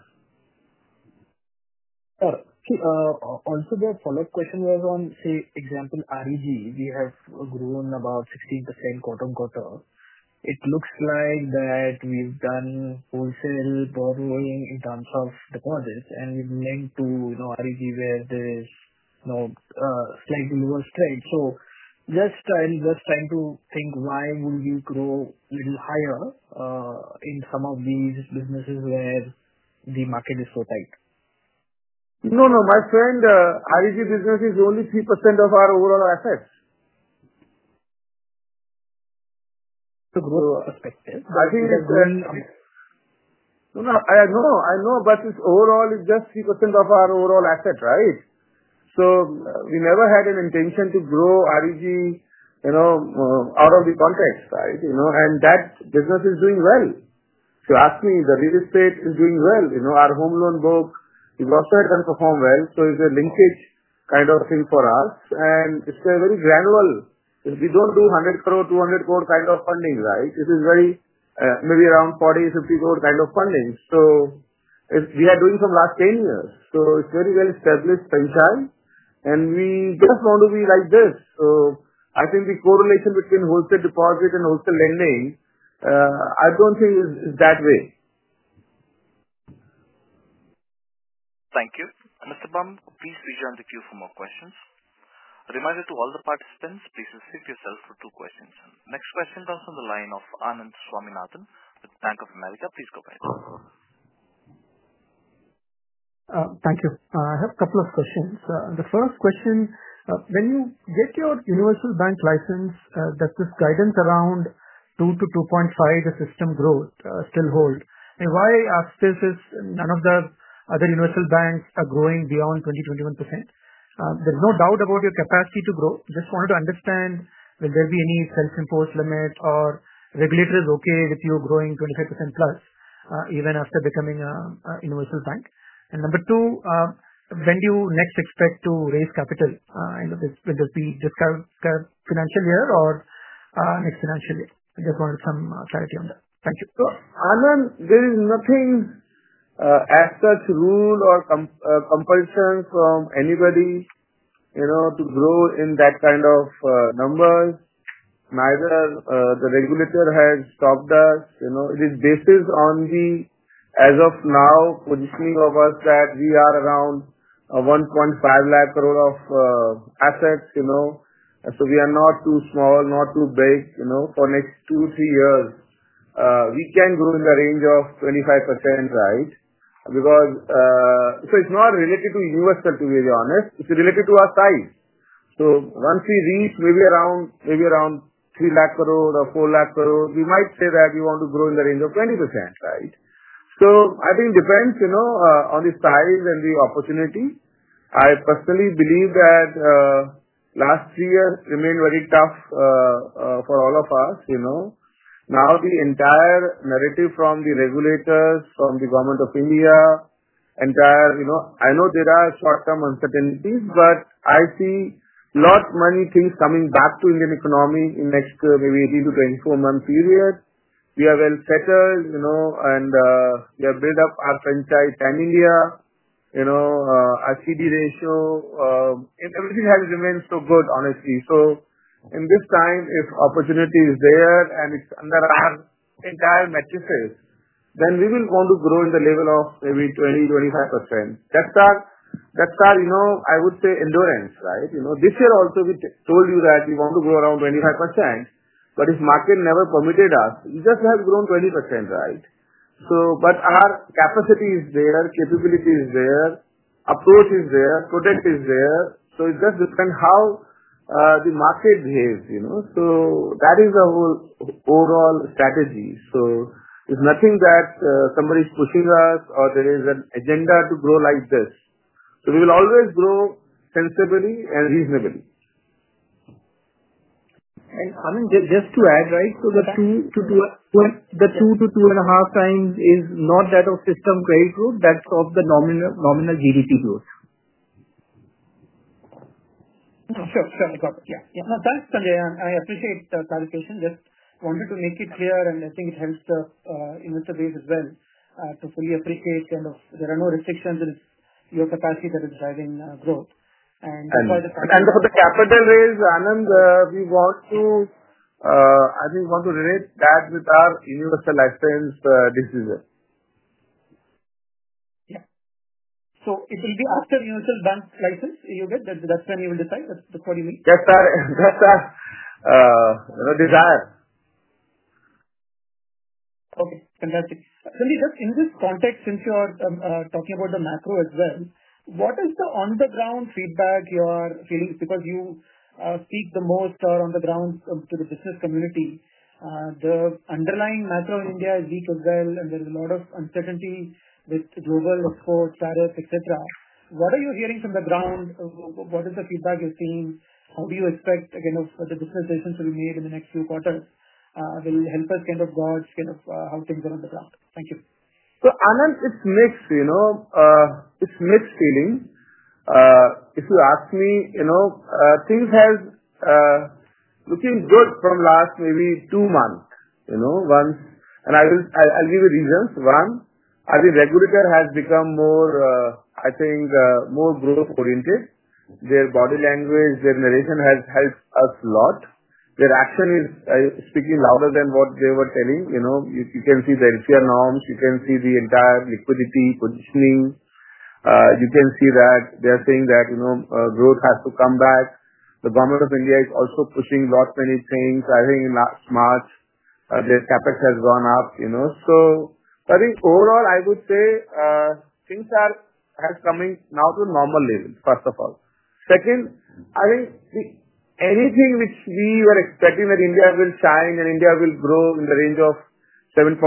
Also, the follow-up question was on, say, example, REG. We have grown about 16% quarter on quarter. It looks like that we've done wholesale borrowing in terms of deposits, and we've linked to REG where there is slightly lower spread. Just trying to think why will we grow a little higher in some of these businesses where the market is so tight? No, no. My friend, REG business is only 3% of our overall assets. Growth perspective, I think it's no, no. I know. I know. Overall, it's just 3% of our overall asset, right? We never had an intention to grow REG out of the context, right? That business is doing well. If you ask me, the real estate is doing well. Our home loan book, we've also had them perform well. It's a linkage kind of thing for us. It's very granular. We don't do 100 crore-200 crore kind of funding, right? This is very maybe around 40-50 crore kind of funding. We are doing from last 10 years. It is very well-established franchise, and we just want to be like this. I think the correlation between wholesale deposit and wholesale lending, I do not think it is that way. Thank you. Mr. Bhum, please rejoin the queue for more questions. A reminder to all the participants, please reserve yourself for two questions. Next question comes from the line of Anand Swaminathan with Bank of America. Please go ahead. Thank you. I have a couple of questions. The first question, when you get your universal bank license, does this guidance around 2-2.5, the system growth still hold? Why I ask this is none of the other universal banks are growing beyond 20%-21%. There is no doubt about your capacity to grow. Just wanted to understand, will there be any self-imposed limit or regulator is okay with you growing 25% plus even after becoming a universal bank? Number two, when do you next expect to raise capital? Will there be this financial year or next financial year? Just wanted some clarity on that. Thank you. Anand, there is nothing as such rule or compulsion from anybody to grow in that kind of numbers. Neither the regulator has stopped us. It is based on the, as of now, positioning of us that we are around 1.5 lakh crore of assets. We are not too small, not too big for next two-three years. We can grow in the range of 25%, right? It is not related to universal, to be very honest. It is related to our size. Once we reach maybe around 3 lakh crore or 4 lakh crore, we might say that we want to grow in the range of 20%. I think it depends on the size and the opportunity. I personally believe that last three years remained very tough for all of us. Now, the entire narrative from the regulators, from the government of India, entire, I know there are short-term uncertainties, but I see a lot of money things coming back to Indian economy in the next maybe 18-24 month period. We are well settled, and we have built up our franchise pan-India. Our CD ratio, everything has remained so good, honestly. In this time, if opportunity is there and it's under our entire matrices, then we will want to grow in the level of maybe 20%-25%. That's our, I would say, endurance, right? This year also, we told you that we want to grow around 25%, but if market never permitted us, we just have grown 20%, right? Our capacity is there, capability is there, approach is there, product is there. It just depends how the market behaves. That is the whole overall strategy. It is nothing that somebody is pushing us or there is an agenda to grow like this. We will always grow sensibly and reasonably. Anand, just to add, the 2-2.5 times is not that of system credit growth. That is of the nominal GDP growth. Sure. Sure. No problem. Yeah. No, thanks, Sanjay. I appreciate the clarification. Just wanted to make it clear, and I think it helps the investor base as well to fully appreciate kind of there are no restrictions. It's your capacity that is driving growth. And by the fact of the capital raise, Anand, we want to, I think we want to relate that with our universal license decision. Yeah. So it will be after universal bank license you get? That's when you will decide? That's what you mean? That's our desire. Okay. Fantastic. Sanjay, just in this context, since you're talking about the macro as well, what is the on-the-ground feedback you are feeling? Because you speak the most on the ground to the business community, the underlying macro in India is weak as well, and there is a lot of uncertainty with global exports, tariffs, etc. What are you hearing from the ground? What is the feedback you're seeing? How do you expect kind of the decisions to be made in the next few quarters? Will it help us kind of gauge kind of how things are on the ground? Thank you. Anand, it's mixed. It's mixed feeling. If you ask me, things have looked good from last maybe two months. I'll give you reasons. One, I think the regulator has become more, I think, more growth-oriented. Their body language, their narration has helped us a lot. Their action is speaking louder than what they were telling. You can see the retail norms. You can see the entire liquidity positioning. You can see that they are saying that growth has to come back. The government of India is also pushing a lot many things. I think in last March, their capex has gone up. I think overall, I would say things have come now to a normal level, first of all. Second, I think anything which we were expecting that India will shine and India will grow in the range of 7.5%-8%,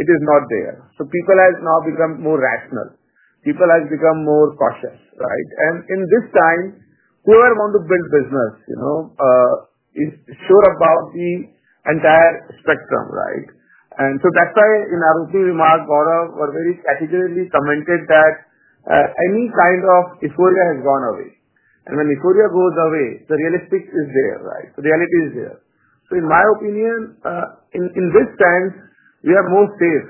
it is not there. People have now become more rational. People have become more cautious, right? In this time, whoever wants to build business is sure about the entire spectrum, right? That is why in our opening remark, Gaurav, we very categorically commented that any kind of euphoria has gone away. When euphoria goes away, the realistic is there, right? The reality is there. In my opinion, in this sense, we are more safe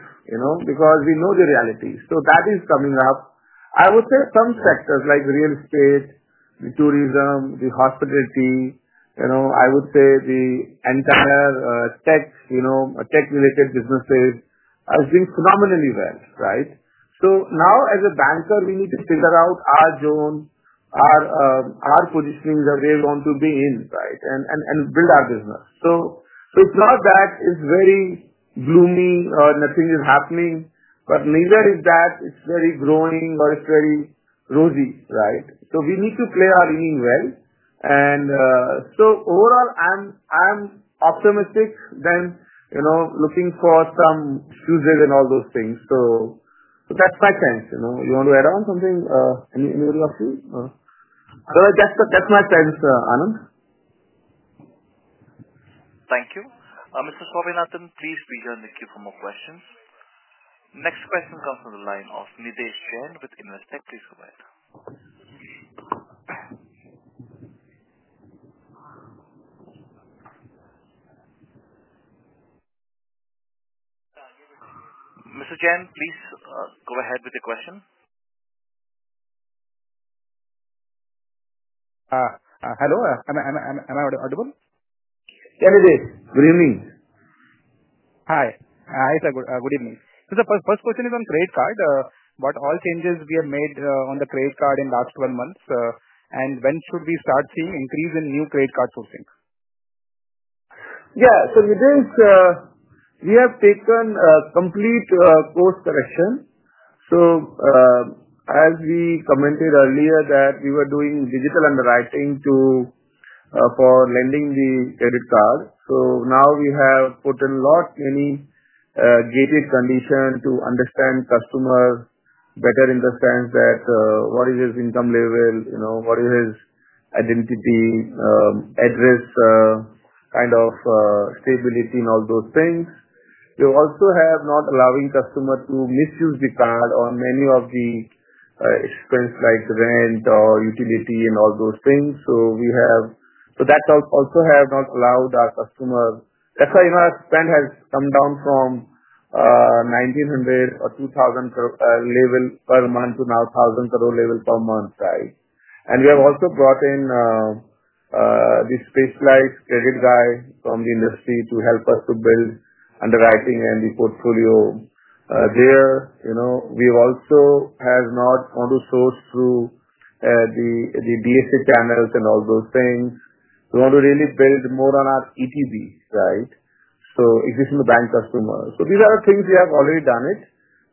because we know the reality. That is coming up. I would say some sectors like real estate, the tourism, the hospitality, I would say the entire tech-related businesses are doing phenomenally well, right? Now, as a banker, we need to figure out our zone, our positioning that we want to be in, right, and build our business. It is not that it is very gloomy or nothing is happening, but neither is it very growing or it is very rosy, right? We need to play our inning well. Overall, I am optimistic than looking for some excuses and all those things. That is my sense. You want to add on something, any of you? Otherwise, that is my sense, Anand. Thank you. Mr. Swaminathan, please rejoin the queue for more questions. Next question comes from the line of Nidhesh Jain with Investec Bank. Please go ahead. Mr. Jain, please go ahead with the question. Hello. Am I audible? Yeah, Nitesh. Good evening. Hi. Hi. Good evening. The first question is on credit card. What all changes we have made on the credit card in the last 12 months, and when should we start seeing increase in new credit card sourcing? Yeah. Nitesh, we have taken complete course correction. As we commented earlier that we were doing digital underwriting for lending the credit card. Now we have put in a lot many gated conditions to understand customers better in the sense that what is his income level, what is his identity, address, kind of stability, and all those things. We also have not allowing customers to misuse the card on many of the expense like rent or utility and all those things. That also has not allowed our customers. That is why our spend has come down from 1,900 crore or 2,000 crore level per month to now 1,000 crore level per month, right? We have also brought in the specialized credit guy from the industry to help us to build underwriting and the portfolio there. We also have not wanted to source through the DSA channels and all those things. We want to really build more on our ETB, right? So existing bank customers. These are the things we have already done.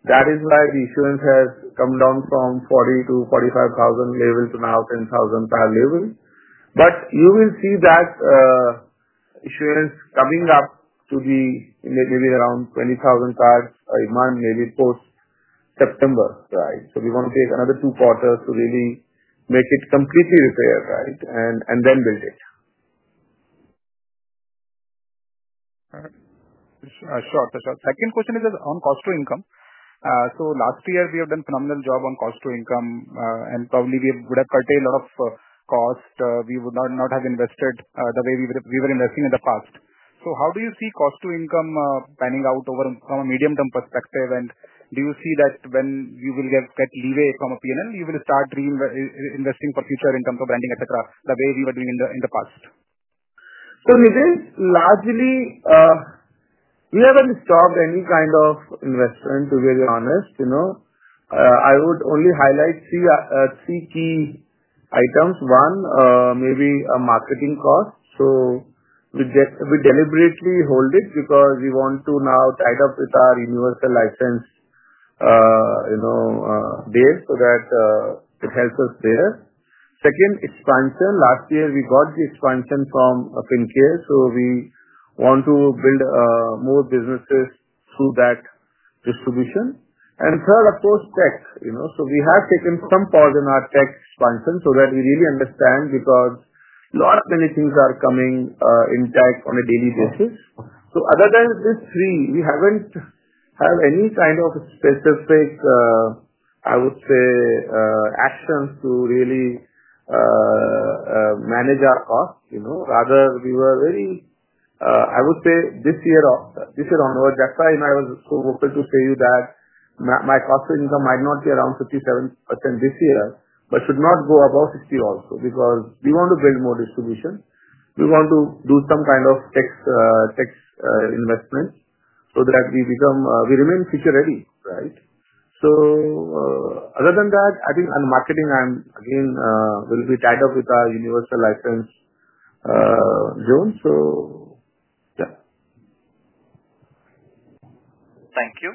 That is why the issuance has come down from 40,000-45,000 level to now 10,000 per level. You will see that issuance coming up to be maybe around 20,000 per month maybe post-September, right? We want to take another two quarters to really make it completely repaired, right, and then build it. Sure. Sure. Second question is on cost to income. Last year, we have done a phenomenal job on cost to income, and probably we would have curtailed a lot of cost. We would not have invested the way we were investing in the past. How do you see cost to income panning out from a medium-term perspective? Do you see that when you get leeway from a P&L, you will start investing for future in terms of branding, etc., the way we were doing in the past? Nidhesh, largely, we have not stopped any kind of investment, to be very honest. I would only highlight three key items. One, maybe marketing cost. We deliberately hold it because we want to now tie it up with our universal license there so that it helps us there. Second, expansion. Last year, we got the expansion from Fincare. We want to build more businesses through that distribution. Third, of course, tech. We have taken some pause in our tech expansion so that we really understand because a lot of many things are coming in tech on a daily basis. Other than these three, we haven't had any kind of specific, I would say, actions to really manage our cost. Rather, we were very, I would say, this year onward. That's why I was so open to tell you that my cost to income might not be around 57% this year, but should not go above 60% also because we want to build more distribution. We want to do some kind of tech investment so that we remain future-ready, right? Other than that, I think on marketing, again, we'll be tied up with our universal license zone. Thank you.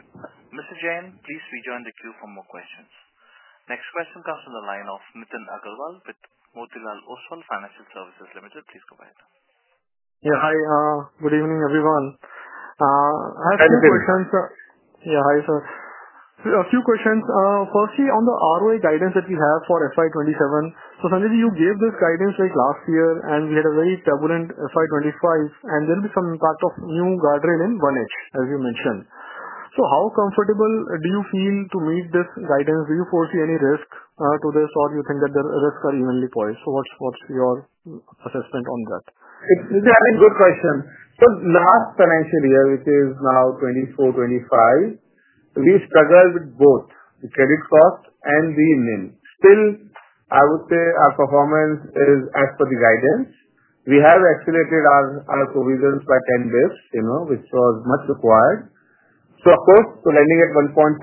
Mr. Jain, please rejoin the queue for more questions. Next question comes from the line of Nithin Agarwal with Motilal Oswal Financial Services Limited. Please go ahead. Yeah. Hi. Good evening, everyone. I have a few questions. Yeah. Hi, sir. A few questions. Firstly, on the ROI guidance that we have for FY27, so Sanjay, you gave this guidance last year, and we had a very turbulent FY25, and there will be some impact of new guardrail in 1H, as you mentioned. How comfortable do you feel to meet this guidance? Do you foresee any risk to this, or do you think that the risks are evenly poised? What is your assessment on that? This is a good question. Last financial year, which is now 2024-2025, we struggled with both the credit cost and the inning. Still, I would say our performance is as per the guidance. We have escalated our provisions by 10 basis points, which was much required. Of course, we're lending at 1.53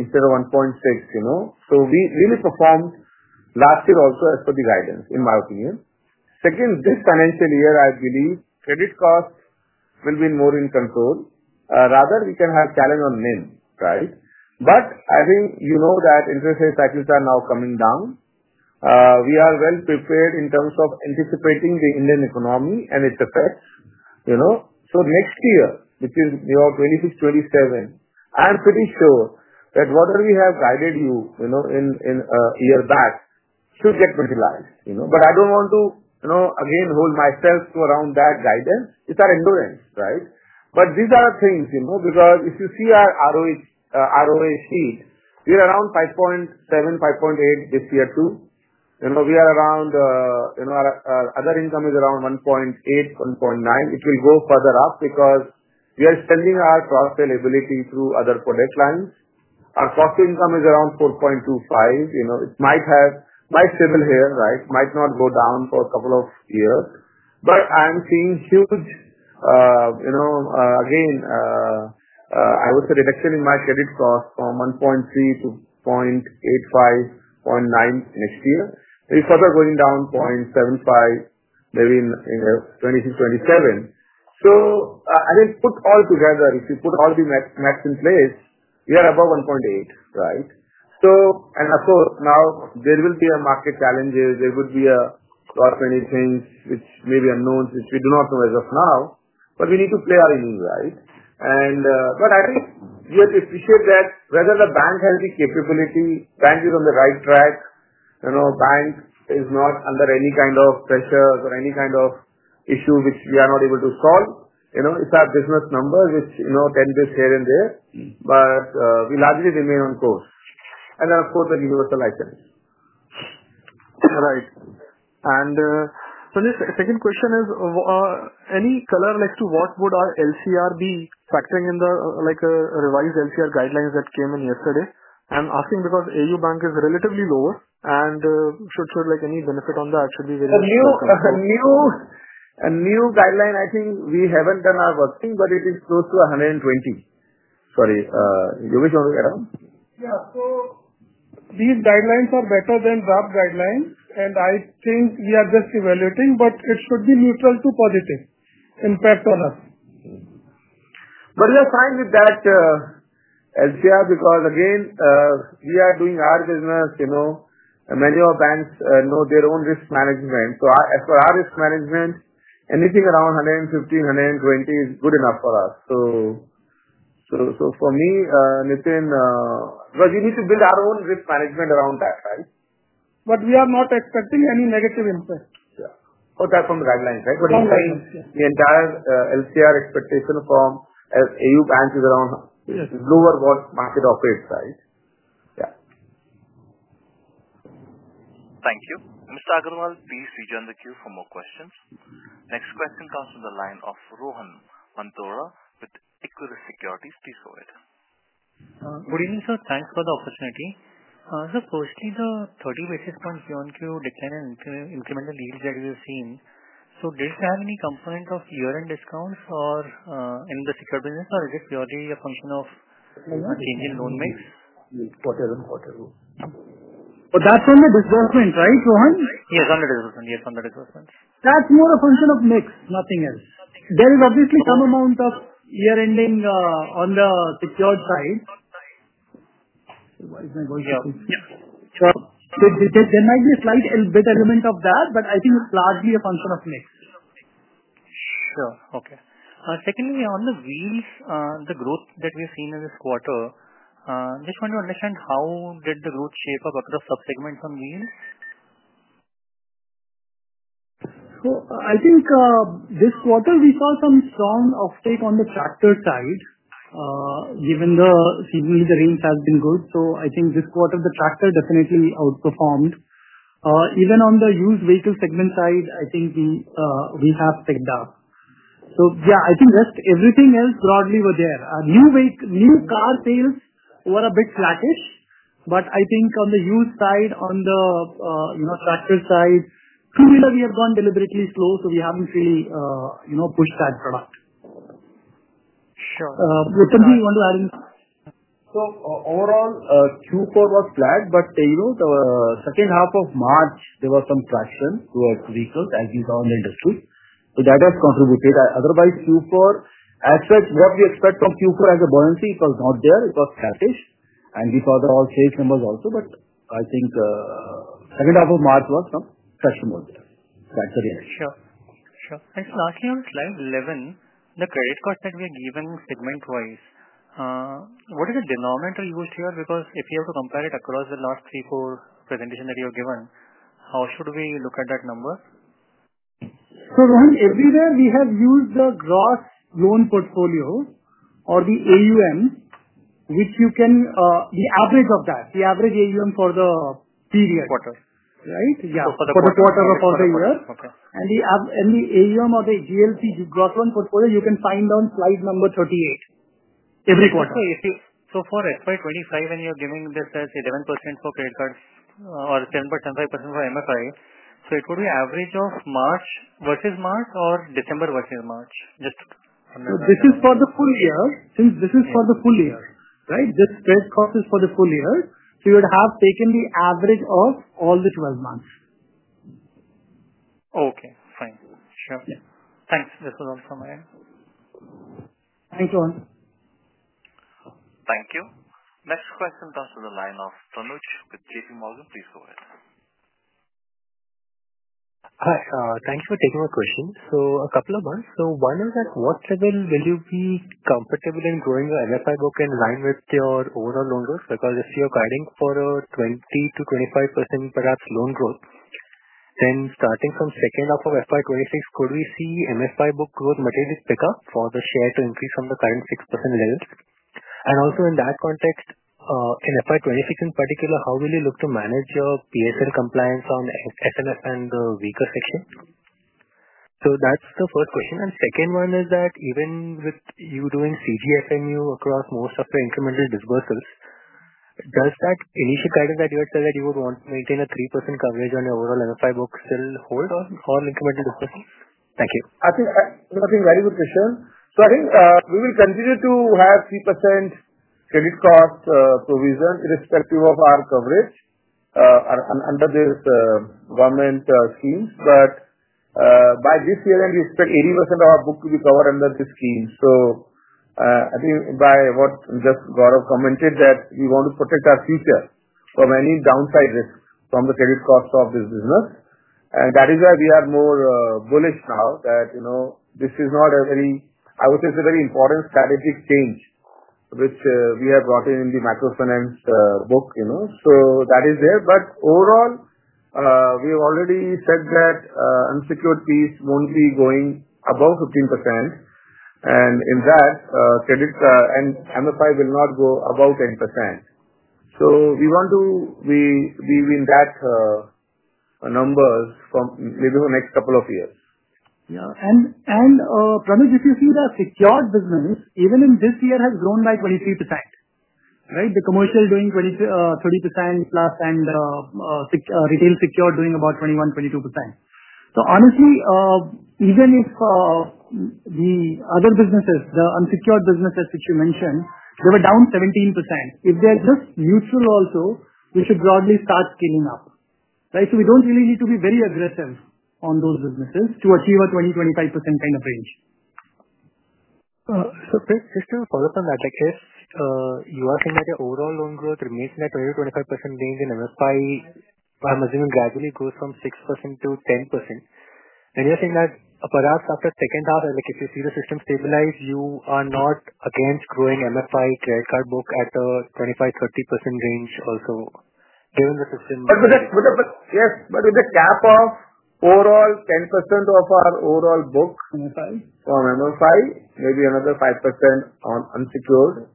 instead of 1.6. We really performed last year also as per the guidance, in my opinion. Second, this financial year, I believe credit cost will be more in control. Rather, we can have challenge on inning, right? I think you know that interest rate cycles are now coming down. We are well prepared in terms of anticipating the Indian economy and its effects. Next year, which is 2026-2027, I'm pretty sure that whatever we have guided you in a year back should get utilized. I don't want to, again, hold myself to around that guidance. It's our endurance, right? These are the things because if you see our ROA sheet, we're around 5.7-5.8 this year too. We are around, our other income is around 1.8, 1.9. It will go further up because we are extending our cross-sale ability through other product lines. Our cost to income is around 4.25. It might stabilize here, right? It might not go down for a couple of years. I am seeing huge, again, I would say, reduction in my credit cost from 1.3-0.85, 0.9 next year. We are further going down, 0.75 maybe in 2026, 2027. I think put all together, if you put all the math in place, we are above 1.8, right? Of course, now there will be market challenges. There would be a lot of many things, which may be unknown, which we do not know as of now. We need to play our inning, right? I think we have to appreciate that whether the bank has the capability, bank is on the right track, bank is not under any kind of pressure or any kind of issue which we are not able to solve. It is our business number, which 10 basis points here and there. We largely remain on course. Of course, the universal license. All right. Sanjay, second question is, any color as to what would our LCR be factoring in the revised LCR guidelines that came in yesterday? I am asking because AU Bank is relatively lower, and should any benefit on that should be very significant. A new guideline, I think we have not done our working, but it is close to 120. Sorry. Yogesh, you want to get on? Yeah. These guidelines are better than RBI guidelines, and I think we are just evaluating, but it should be neutral to positive impact on us. We are fine with that LCR because, again, we are doing our business. Many of our banks know their own risk management. For our risk management, anything around 115-120 is good enough for us. For me, Nithin, because we need to build our own risk management around that, right? We are not expecting any negative impact. Yeah. That is from the guidelines, right? The entire LCR expectation from AU Bank is around lower than what market operates, right? Yeah. Thank you. Mr. Agarwal, please rejoin the queue for more questions. Next question comes from the line of Rohan Mandora with Equirus Securities. Please go ahead. Good evening, sir. Thanks for the opportunity. Sir, firstly, the 30 basis point P&Q decline and incremental yields that we have seen, did it have any component of year-end discounts in the secured business, or is it purely a function of changing loan mix? Whatever. But that's on the disbursement, right, Rohan? Yes, on the disbursement. Yes, on the disbursement. That's more a function of mix, nothing else. There is obviously some amount of year-ending on the secured side. Why is my voice? Yeah. There might be a slight bit element of that, but I think it's largely a function of mix. Sure. Okay. Secondly, on the wheels, the growth that we have seen in this quarter, just want to understand how did the growth shape up across subsegments on wheels? I think this quarter, we saw some strong uptake on the tractor side, given that seemingly the range has been good. I think this quarter, the tractor definitely outperformed. Even on the used vehicle segment side, I think we have picked up. Yeah, I think everything else broadly was there. New car sales were a bit sluggish, but I think on the used side, on the tractor side, two-wheeler, we have gone deliberately slow, so we have not really pushed that product. What else do you want to add in? Overall, Q4 was flat, but the second half of March, there was some traction towards vehicles, as you saw in the industry. That has contributed. Otherwise, Q4, as such, what we expect from Q4 as a buoyancy, it was not there. It was sluggish. We saw the all-sales numbers also, but I think second half of March was some traction was there. That is the reaction. Sure. Sure. Thanks for asking. On slide 11, the credit cards that we are given segment-wise, what is the denominator used here? Because if you have to compare it across the last three, four presentations that you have given, how should we look at that number? Rohan, everywhere we have used the gross loan portfolio or the AUM, which you can, the average of that, the average AUM for the period. Quarter. Right? Yeah. For the quarter or for the year. The AUM or the GLP, gross loan portfolio, you can find on slide number 38. Every quarter. For FY2025, when you're giving this as 11% for credit cards or 10.75% for MFI, it would be average of March versus March or December versus March? Just on that. This is for the full year. Since this is for the full year, right, this spread cost is for the full year, so you would have taken the average of all the 12 months. Okay. Fine. Sure. Thanks. This was all from my end. Thanks, Rohan. Thank you. Next question comes from the line`` of Pranav with J.P. Morgan. Please go ahead. Hi. Thanks for taking my question. A couple of points. One is at what level will you be comfortable in growing your MFI book in line with your overall loan growth? Because if you're guiding for a 20%-25% loan growth, then starting from second half of FY2026, could we see MFI book growth materially pick up for the share to increase from the current 6% level? Also in that context, in FY26 in particular, how will you look to manage your PSL compliance on SMF and the vehicle section? That is the first question. The second one is that even with you doing CGFMU across most of the incremental disbursals, does that initial guidance that you had said that you would want to maintain a 3% coverage on your overall MFI book still hold on all incremental disbursals? Thank you. I think that is a very good question. I think we will continue to have 3% credit cost provision irrespective of our coverage under these government schemes. By this year, we expect 80% of our book to be covered under this scheme. By what Gaurav commented, we want to protect our future from any downside risk from the credit cost of this business. That is why we are more bullish now that this is not a very—I would say it is a very important strategic change, which we have brought in the microfinance book. That is there. Overall, we have already said that unsecured fees will not be going above 15%. In that, credit and MFI will not go above 10%. We want to be with those numbers maybe for the next couple of years. Yeah. Pranav, if you see the secured business, even in this year, has grown by 23%, right? The commercial doing 30% plus and retail secured doing about 21-22%. Honestly, even if the other businesses, the unsecured businesses which you mentioned, were down 17%, if they are just neutral also, we should broadly start scaling up, right? We do not really need to be very aggressive on those businesses to achieve a 20%-25% kind of range. Chris, just to follow up on that, if you are saying that your overall loan growth remains in that 20%-25% range and MFI, I am assuming, gradually goes from 6%-10%, then you are saying that perhaps after second half, if you see the system stabilize, you are not against growing MFI credit card book at a 25%-30% range also given the system. Yes. With the cap of overall 10% of our overall book in MFI, maybe another 5% on unsecured.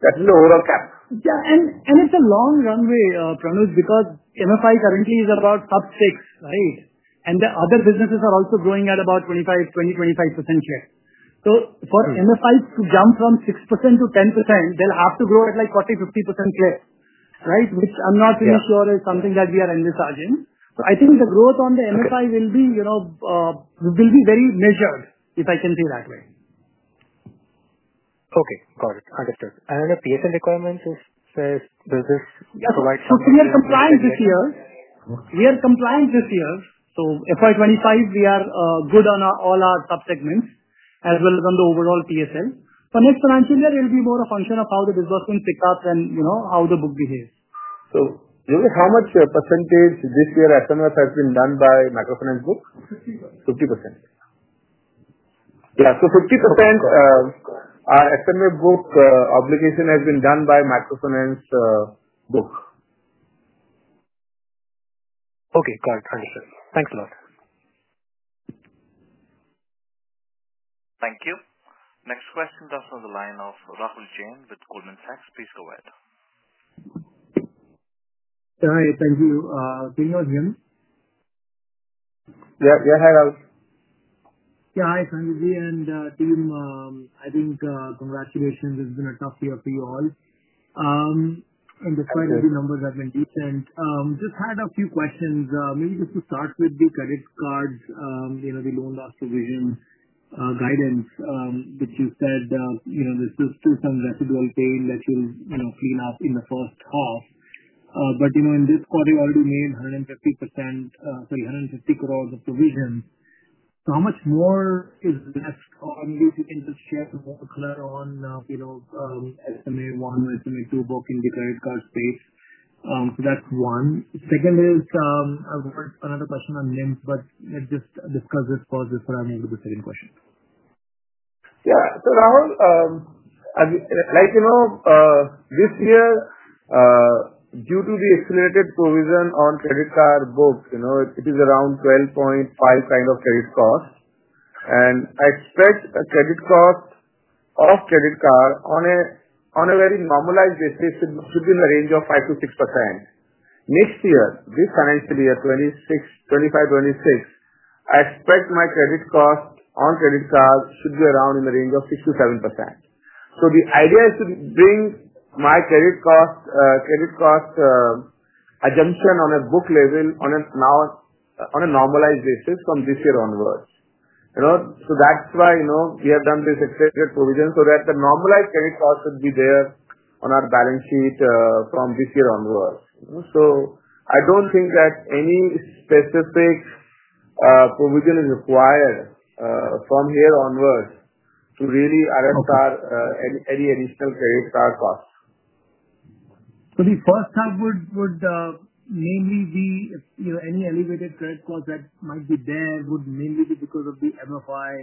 That is the overall cap. Yeah. It is a long runway, Pranav, because MFI currently is about sub 6, right? The other businesses are also growing at about 20%-25% cliff. For MFI to jump from 6% to 10%, they'll have to grow at like 40%-50% cliff, right? Which I'm not really sure is something that we are envisaging. I think the growth on the MFI will be very measured, if I can say that way. Okay. Got it. Understood. The PSL requirements, does this provide some? Yeah. We are compliant this year. We are compliant this year. FY2025, we are good on all our subsegments as well as on the overall PSL. Next financial year, it will be more a function of how the disbursements pick up and how the book behaves. Yogesh, how much percentage this year SMF has been done by macro finance book? 50%. Yeah. 50% SMF book obligation has been done by macro finance book. Okay. Got it. Understood. Thanks a lot. Thank you. Next question comes from the line of Rahul Jain with Goldman Sachs. Please go ahead. Hi. Thank you. Can you hear me? Yeah. Yeah. Hi, Rahul. Yeah. Hi, Sanjay Ji and team. I think congratulations. It's been a tough year for you all. And despite the numbers have been decent, just had a few questions. Maybe just to start with the credit cards, the loan loss provision guidance, which you said this is still some residual pain that you'll clean up in the first half. In this quarter, you already made 150 crore of provision. How much more is left on you to interest share more color on SMA 1, SMA 2 book in the credit card space? That's one. Second is another question on NIMF, but just discuss this first before I move to the second question. Yeah. Rahul, like this year, due to the accelerated provision on credit card book, it is around 12.5% kind of credit cost. I expect a credit cost of credit card on a very normalized basis should be in the range of 5%-6%. Next year, this financial year, 2025-2026, I expect my credit cost on credit card should be around in the range of 6%-7%. The idea is to bring my credit cost adjunction on a book level on a normalized basis from this year onwards. That is why we have done this accelerated provision so that the normalized credit cost should be there on our balance sheet from this year onwards. I do not think that any specific provision is required from here onwards to really address any additional credit card cost. The first half would mainly be any elevated credit cost that might be there would mainly be because of the MFI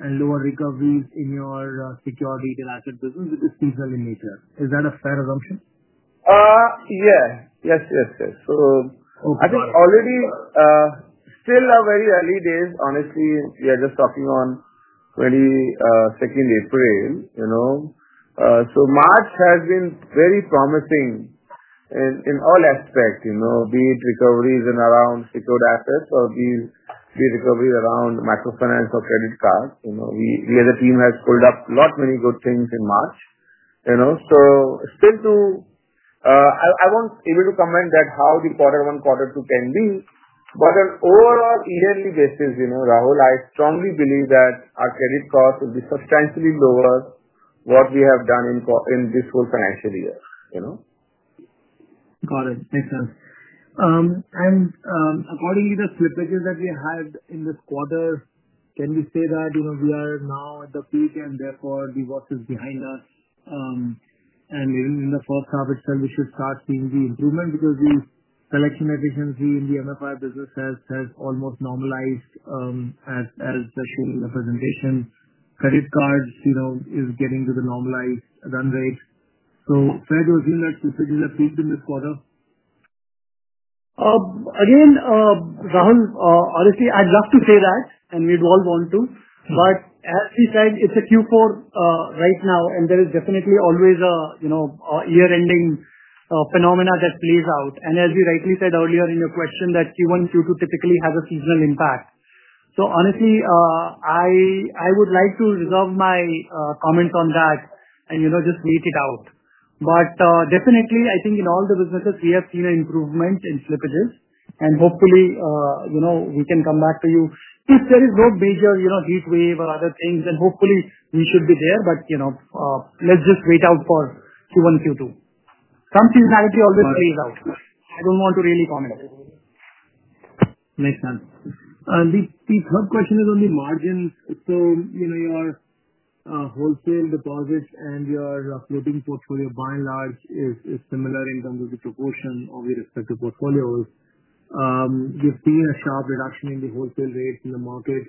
and lower recoveries in your secure retail asset business, which is seasonally nature. Is that a fair assumption? Yeah. Yes, yes, yes. I think already still our very early days, honestly, we are just talking on 22nd April. March has been very promising in all aspects, be it recoveries in around secured assets or be it recoveries around micro finance or credit cards. We as a team have pulled up a lot many good things in March. Still to I won't even to comment that how the quarter one, quarter two can be. On an overall yearly basis, Rahul, I strongly believe that our credit cost will be substantially lower what we have done in this whole financial year. Got it. Makes sense. According to the slippages that we had in this quarter, can we say that we are now at the peak and therefore the work is behind us? Even in the first half itself, we should start seeing the improvement because the selection efficiency in the MFI business has almost normalized as shown in the presentation. Credit cards is getting to the normalized run rate. Fair to assume that slippages have peaked in this quarter? Again, Rahul, honestly, I'd love to say that, and we'd all want to. As we said, it's a Q4 right now, and there is definitely always a year-ending phenomena that plays out. As you rightly said earlier in your question, Q1, Q2 typically has a seasonal impact. Honestly, I would like to reserve my comments on that and just wait it out. Definitely, I think in all the businesses, we have seen an improvement in slippages. Hopefully, we can come back to you. If there is no major heat wave or other things, then hopefully, we should be there. Let's just wait out for Q1, Q2. Some seasonality always plays out. I do not want to really comment. Makes sense. The third question is on the margins. Your wholesale deposits and your floating portfolio, by and large, is similar in terms of the proportion of your respective portfolios. You have seen a sharp reduction in the wholesale rates in the market.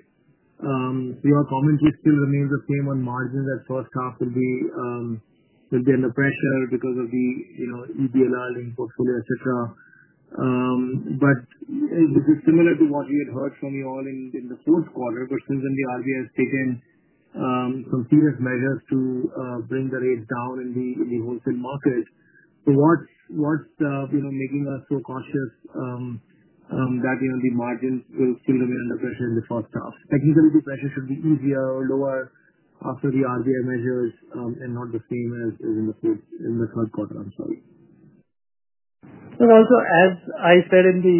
Your commentary still remains the same on margins that first half will be under pressure because of the EBLR in portfolio, etc. This is similar to what we had heard from you all in the fourth quarter, but since then the RBI has taken some serious measures to bring the rates down in the wholesale market. What is making us so cautious that the margins will still remain under pressure in the first half? Technically, the pressure should be easier, lower after the RBI measures and not the same as in the third quarter. I'm sorry. Also, as I said in the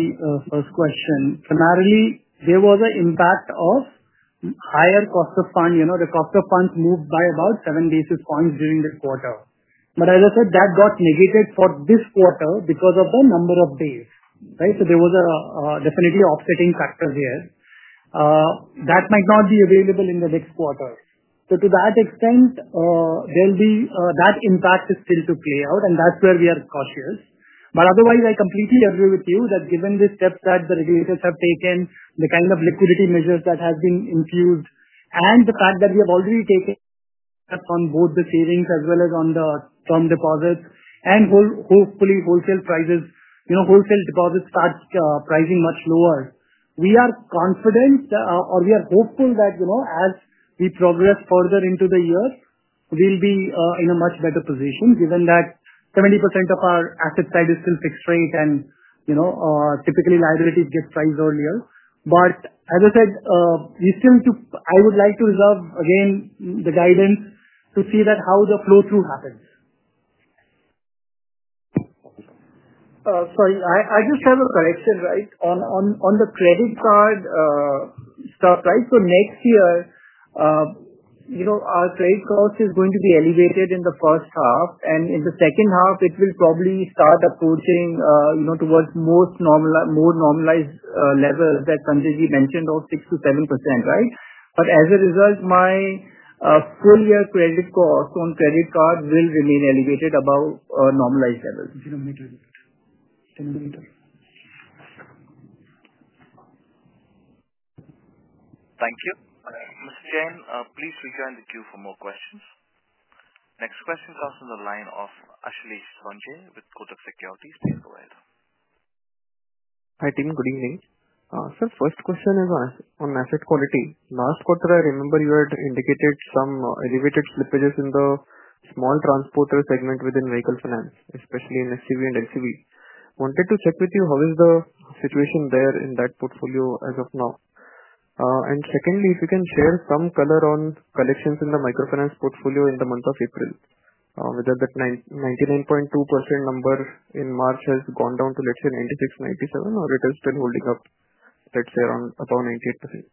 first question, primarily, there was an impact of higher cost of fund. The cost of funds moved by about seven basis points during this quarter. As I said, that got negated for this quarter because of the number of days, right? There was definitely an offsetting factor there that might not be available in the next quarter. To that extent, that impact is still to play out, and that is where we are cautious. Otherwise, I completely agree with you that given the steps that the regulators have taken, the kind of liquidity measures that have been infused, and the fact that we have already taken steps on both the savings as well as on the term deposits, and hopefully, wholesale deposits start pricing much lower, we are confident or we are hopeful that as we progress further into the year, we will be in a much better position given that 70% of our asset side is still fixed rate and typically liabilities get priced earlier. As I said, we still need to—I would like to reserve, again, the guidance to see how the flow-through happens. Sorry. I just have a correction, right? On the credit card stuff, right? Next year, our credit cost is going to be elevated in the first half. In the second half, it will probably start approaching towards more normalized levels that Sanjay Ji mentioned of 6%-7%, right? As a result, my full-year credit cost on credit card will remain elevated above normalized levels. Thank you. Mr. Jain, please rejoin the queue for more questions. Next question comes from the line of Ashlesh Sonje with Kotak Securities. Please go ahead. Hi team. Good evening. Sir, first question is on asset quality. Last quarter, I remember you had indicated some elevated slippages in the small transporter segment within vehicle finance, especially in SUV and LCV. Wanted to check with you how is the situation there in that portfolio as of now. Secondly, if you can share some color on collections in the microfinance portfolio in the month of April, whether that 99.2% number in March has gone down to, let's say, 96%-97%, or it is still holding up, let's say, around about 98%.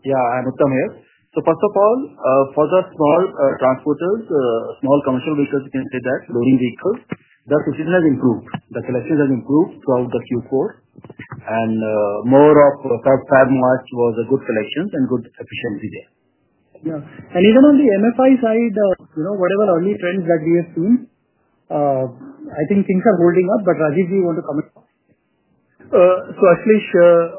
Yeah, I'm Uttam here. First of all, for the small transporters, small commercial vehicles, you can say that loading vehicles, the slippage has improved. The collections have improved throughout Q4. More of FAB, MOASH was a good collection and good efficiency there. Yeah. Even on the MFI side, whatever early trends that we have seen, I think things are holding up. Rajeev Ji, you want to comment? Actually,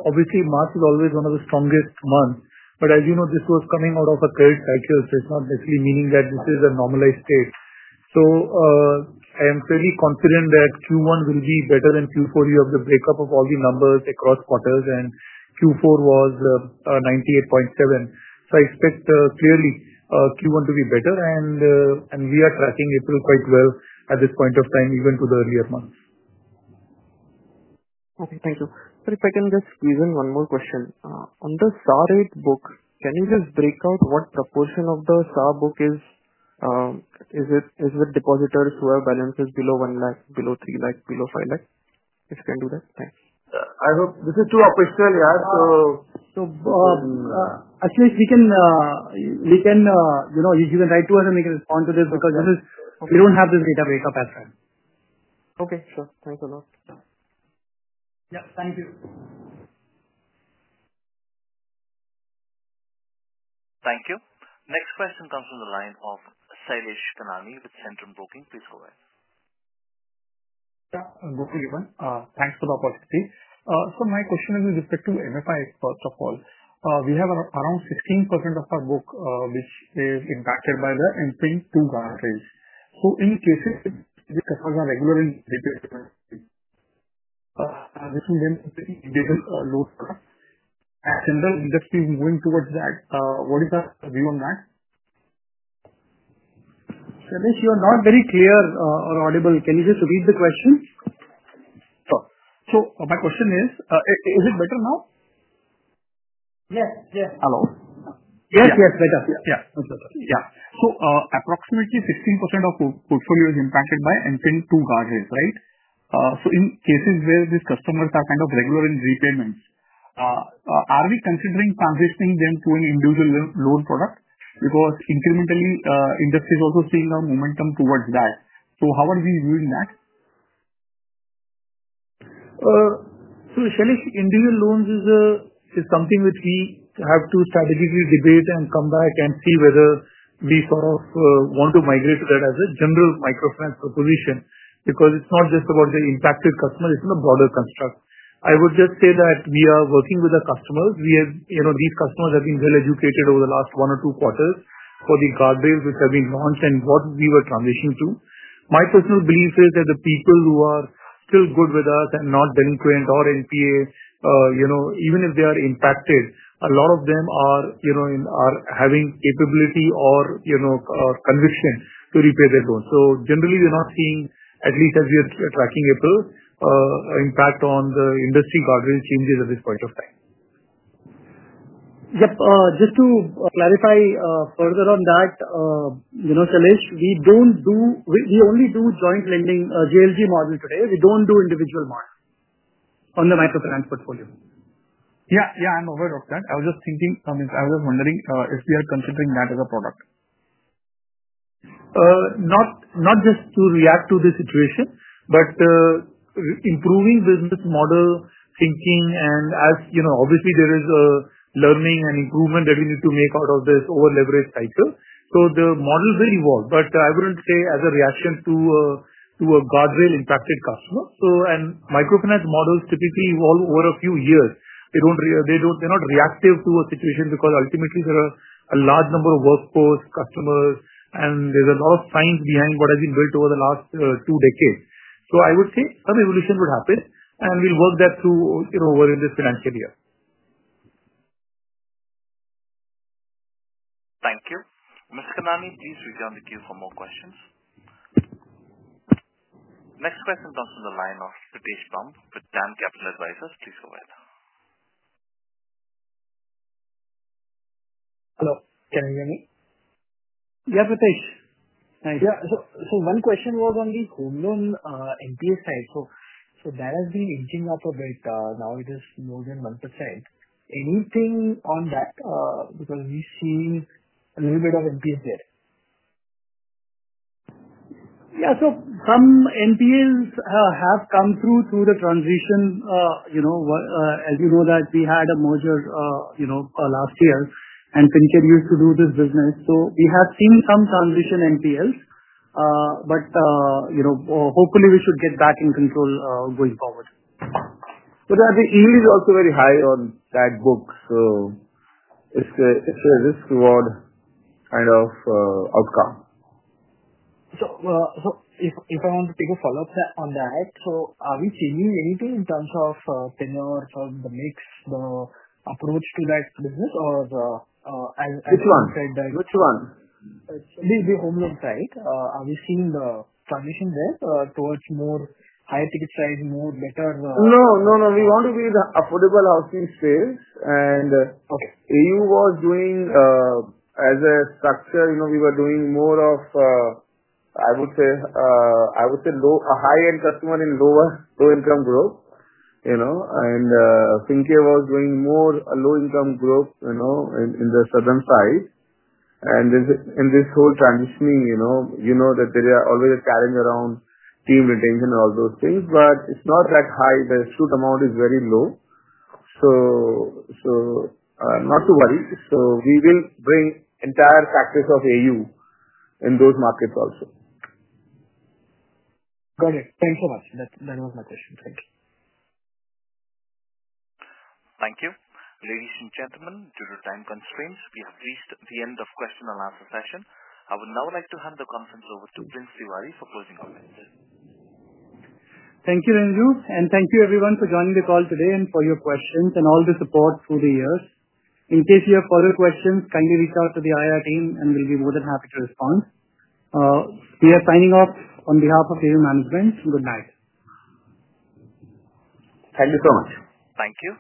obviously, March is always one of the strongest months. As you know, this was coming out of a credit cycle, so it's not necessarily meaning that this is a normalized state. I am fairly confident that Q1 will be better than Q4 year of the breakup of all the numbers across quarters. Q4 was 98.7. I expect clearly Q1 to be better. We are tracking April quite well at this point of time, even to the earlier months. Okay. Thank you. If I can just squeeze in one more question. On the Saar 8 book, can you just break out what proportion of the Saar book is? Is it depositors who have balances below 1 lakh, below 3 lakh, below 5 lakh? If you can do that. Thanks. This is too official, yeah. Ashlesh, if you can—you can write to us, and we can respond to this because we do not have this data breakup as of. Okay. Sure. Thanks a lot. Yeah. Thank you. Thank you. Next question comes from the line of Shailesh Kanani with Centrum Broking. Please go ahead. Yeah. Good morning, everyone. Thanks for the opportunity. My question is with respect to MFI, first of all. We have around 16% of our book which is impacted by the end-to-end two guarantees. In cases that are regular in retail business, I am assuming they will load for us. As general industry is moving towards that, what is your view on that? Sailesh, you are not very clear or audible. Can you just repeat the question? Sure. My question is, is it better now? Yes. Yes. Hello. Yes. Yes. Better. Yeah. Yeah. Approximately 16% of portfolio is impacted by end-to-end two guarantees, right? In cases where these customers are kind of regular in repayments, are we considering transitioning them to an individual loan product? Because incrementally, industry is also seeing a momentum towards that. How are we viewing that? Sailesh, individual loans is something which we have to strategically debate and come back and see whether we sort of want to migrate to that as a general microfinance proposition because it is not just about the impacted customer. It is a broader construct. I would just say that we are working with the customers. These customers have been well educated over the last one or two quarters for the guardrails which have been launched and what we were transitioning to. My personal belief is that the people who are still good with us and not delinquent or NPA, even if they are impacted, a lot of them are having capability or conviction to repay their loans. Generally, we're not seeing, at least as we are tracking April, an impact on the industry guardrail changes at this point of time. Yep. Just to clarify further on that, Sailesh, we only do joint lending, JLG model today. We don't do individual model on the microfinance portfolio. Yeah. Yeah. I'm aware of that. I was just thinking—I was just wondering if we are considering that as a product. Not just to react to the situation, but improving business model thinking. Obviously, there is a learning and improvement that we need to make out of this over-leveraged cycle. The model will evolve. I would not say as a reaction to a guardrail impacted customer. Microfinance models typically evolve over a few years. They are not reactive to a situation because ultimately, there are a large number of workforce customers, and there is a lot of science behind what has been built over the last two decades. I would say some evolution would happen, and we will work that through over in this financial year. Thank you. Mr. Kanani, please rejoin the queue for more questions. Next question comes from the line of Pritesh Bumb with DAM Capital Advisors. Please go ahead. Hello. Can you hear me? Yeah, Pritesh. Nice. Yeah. One question was on the home loan NPA side. That has been inching up a bit. Now it is more than 1%. Anything on that? Because we have seen a little bit of NPAs there. Yeah. Some NPAs have come through the transition. As you know, we had a merger last year, and Fincare used to do this business. We have seen some transition NPAs. Hopefully, we should get back in control going forward. The yield is also very high on that book. It is a risk-reward kind of outcome. If I want to take a follow-up on that, are we seeing anything in terms of tenure, the mix, the approach to that business, or as you said? Which one? Which one? The home loan side. Are we seeing the transition there towards more higher ticket size, more better? No. No. No. We want to be the affordable housing sales. AU was doing as a structure, we were doing more of, I would say, a high-end customer in lower-income group. Fincare was doing more low-income group in the southern side. In this whole transitioning, you know that there is always a challenge around team retention and all those things. It is not that high. The shoot amount is very low. Not to worry. We will bring entire factors of AU in those markets also. Got it. Thanks so much. That was my question. Thank you. Thank you. Ladies and gentlemen, due to time constraints, we have reached the end of question and answer session. I would now like to hand the conference over to Prince Tiwari for closing comments. Thank you, Ranju. Thank you, everyone, for joining the call today and for your questions and all the support through the years. In case you have further questions, kindly reach out to the IR team, and we will be more than happy to respond. We are signing off on behalf of AU Management. Good night. Thank you so much. Thank you.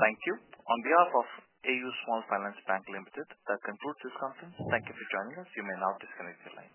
Thank you. On behalf of AU Small Finance Bank, that concludes this conference. Thank you for joining us. You may now disconnect the line.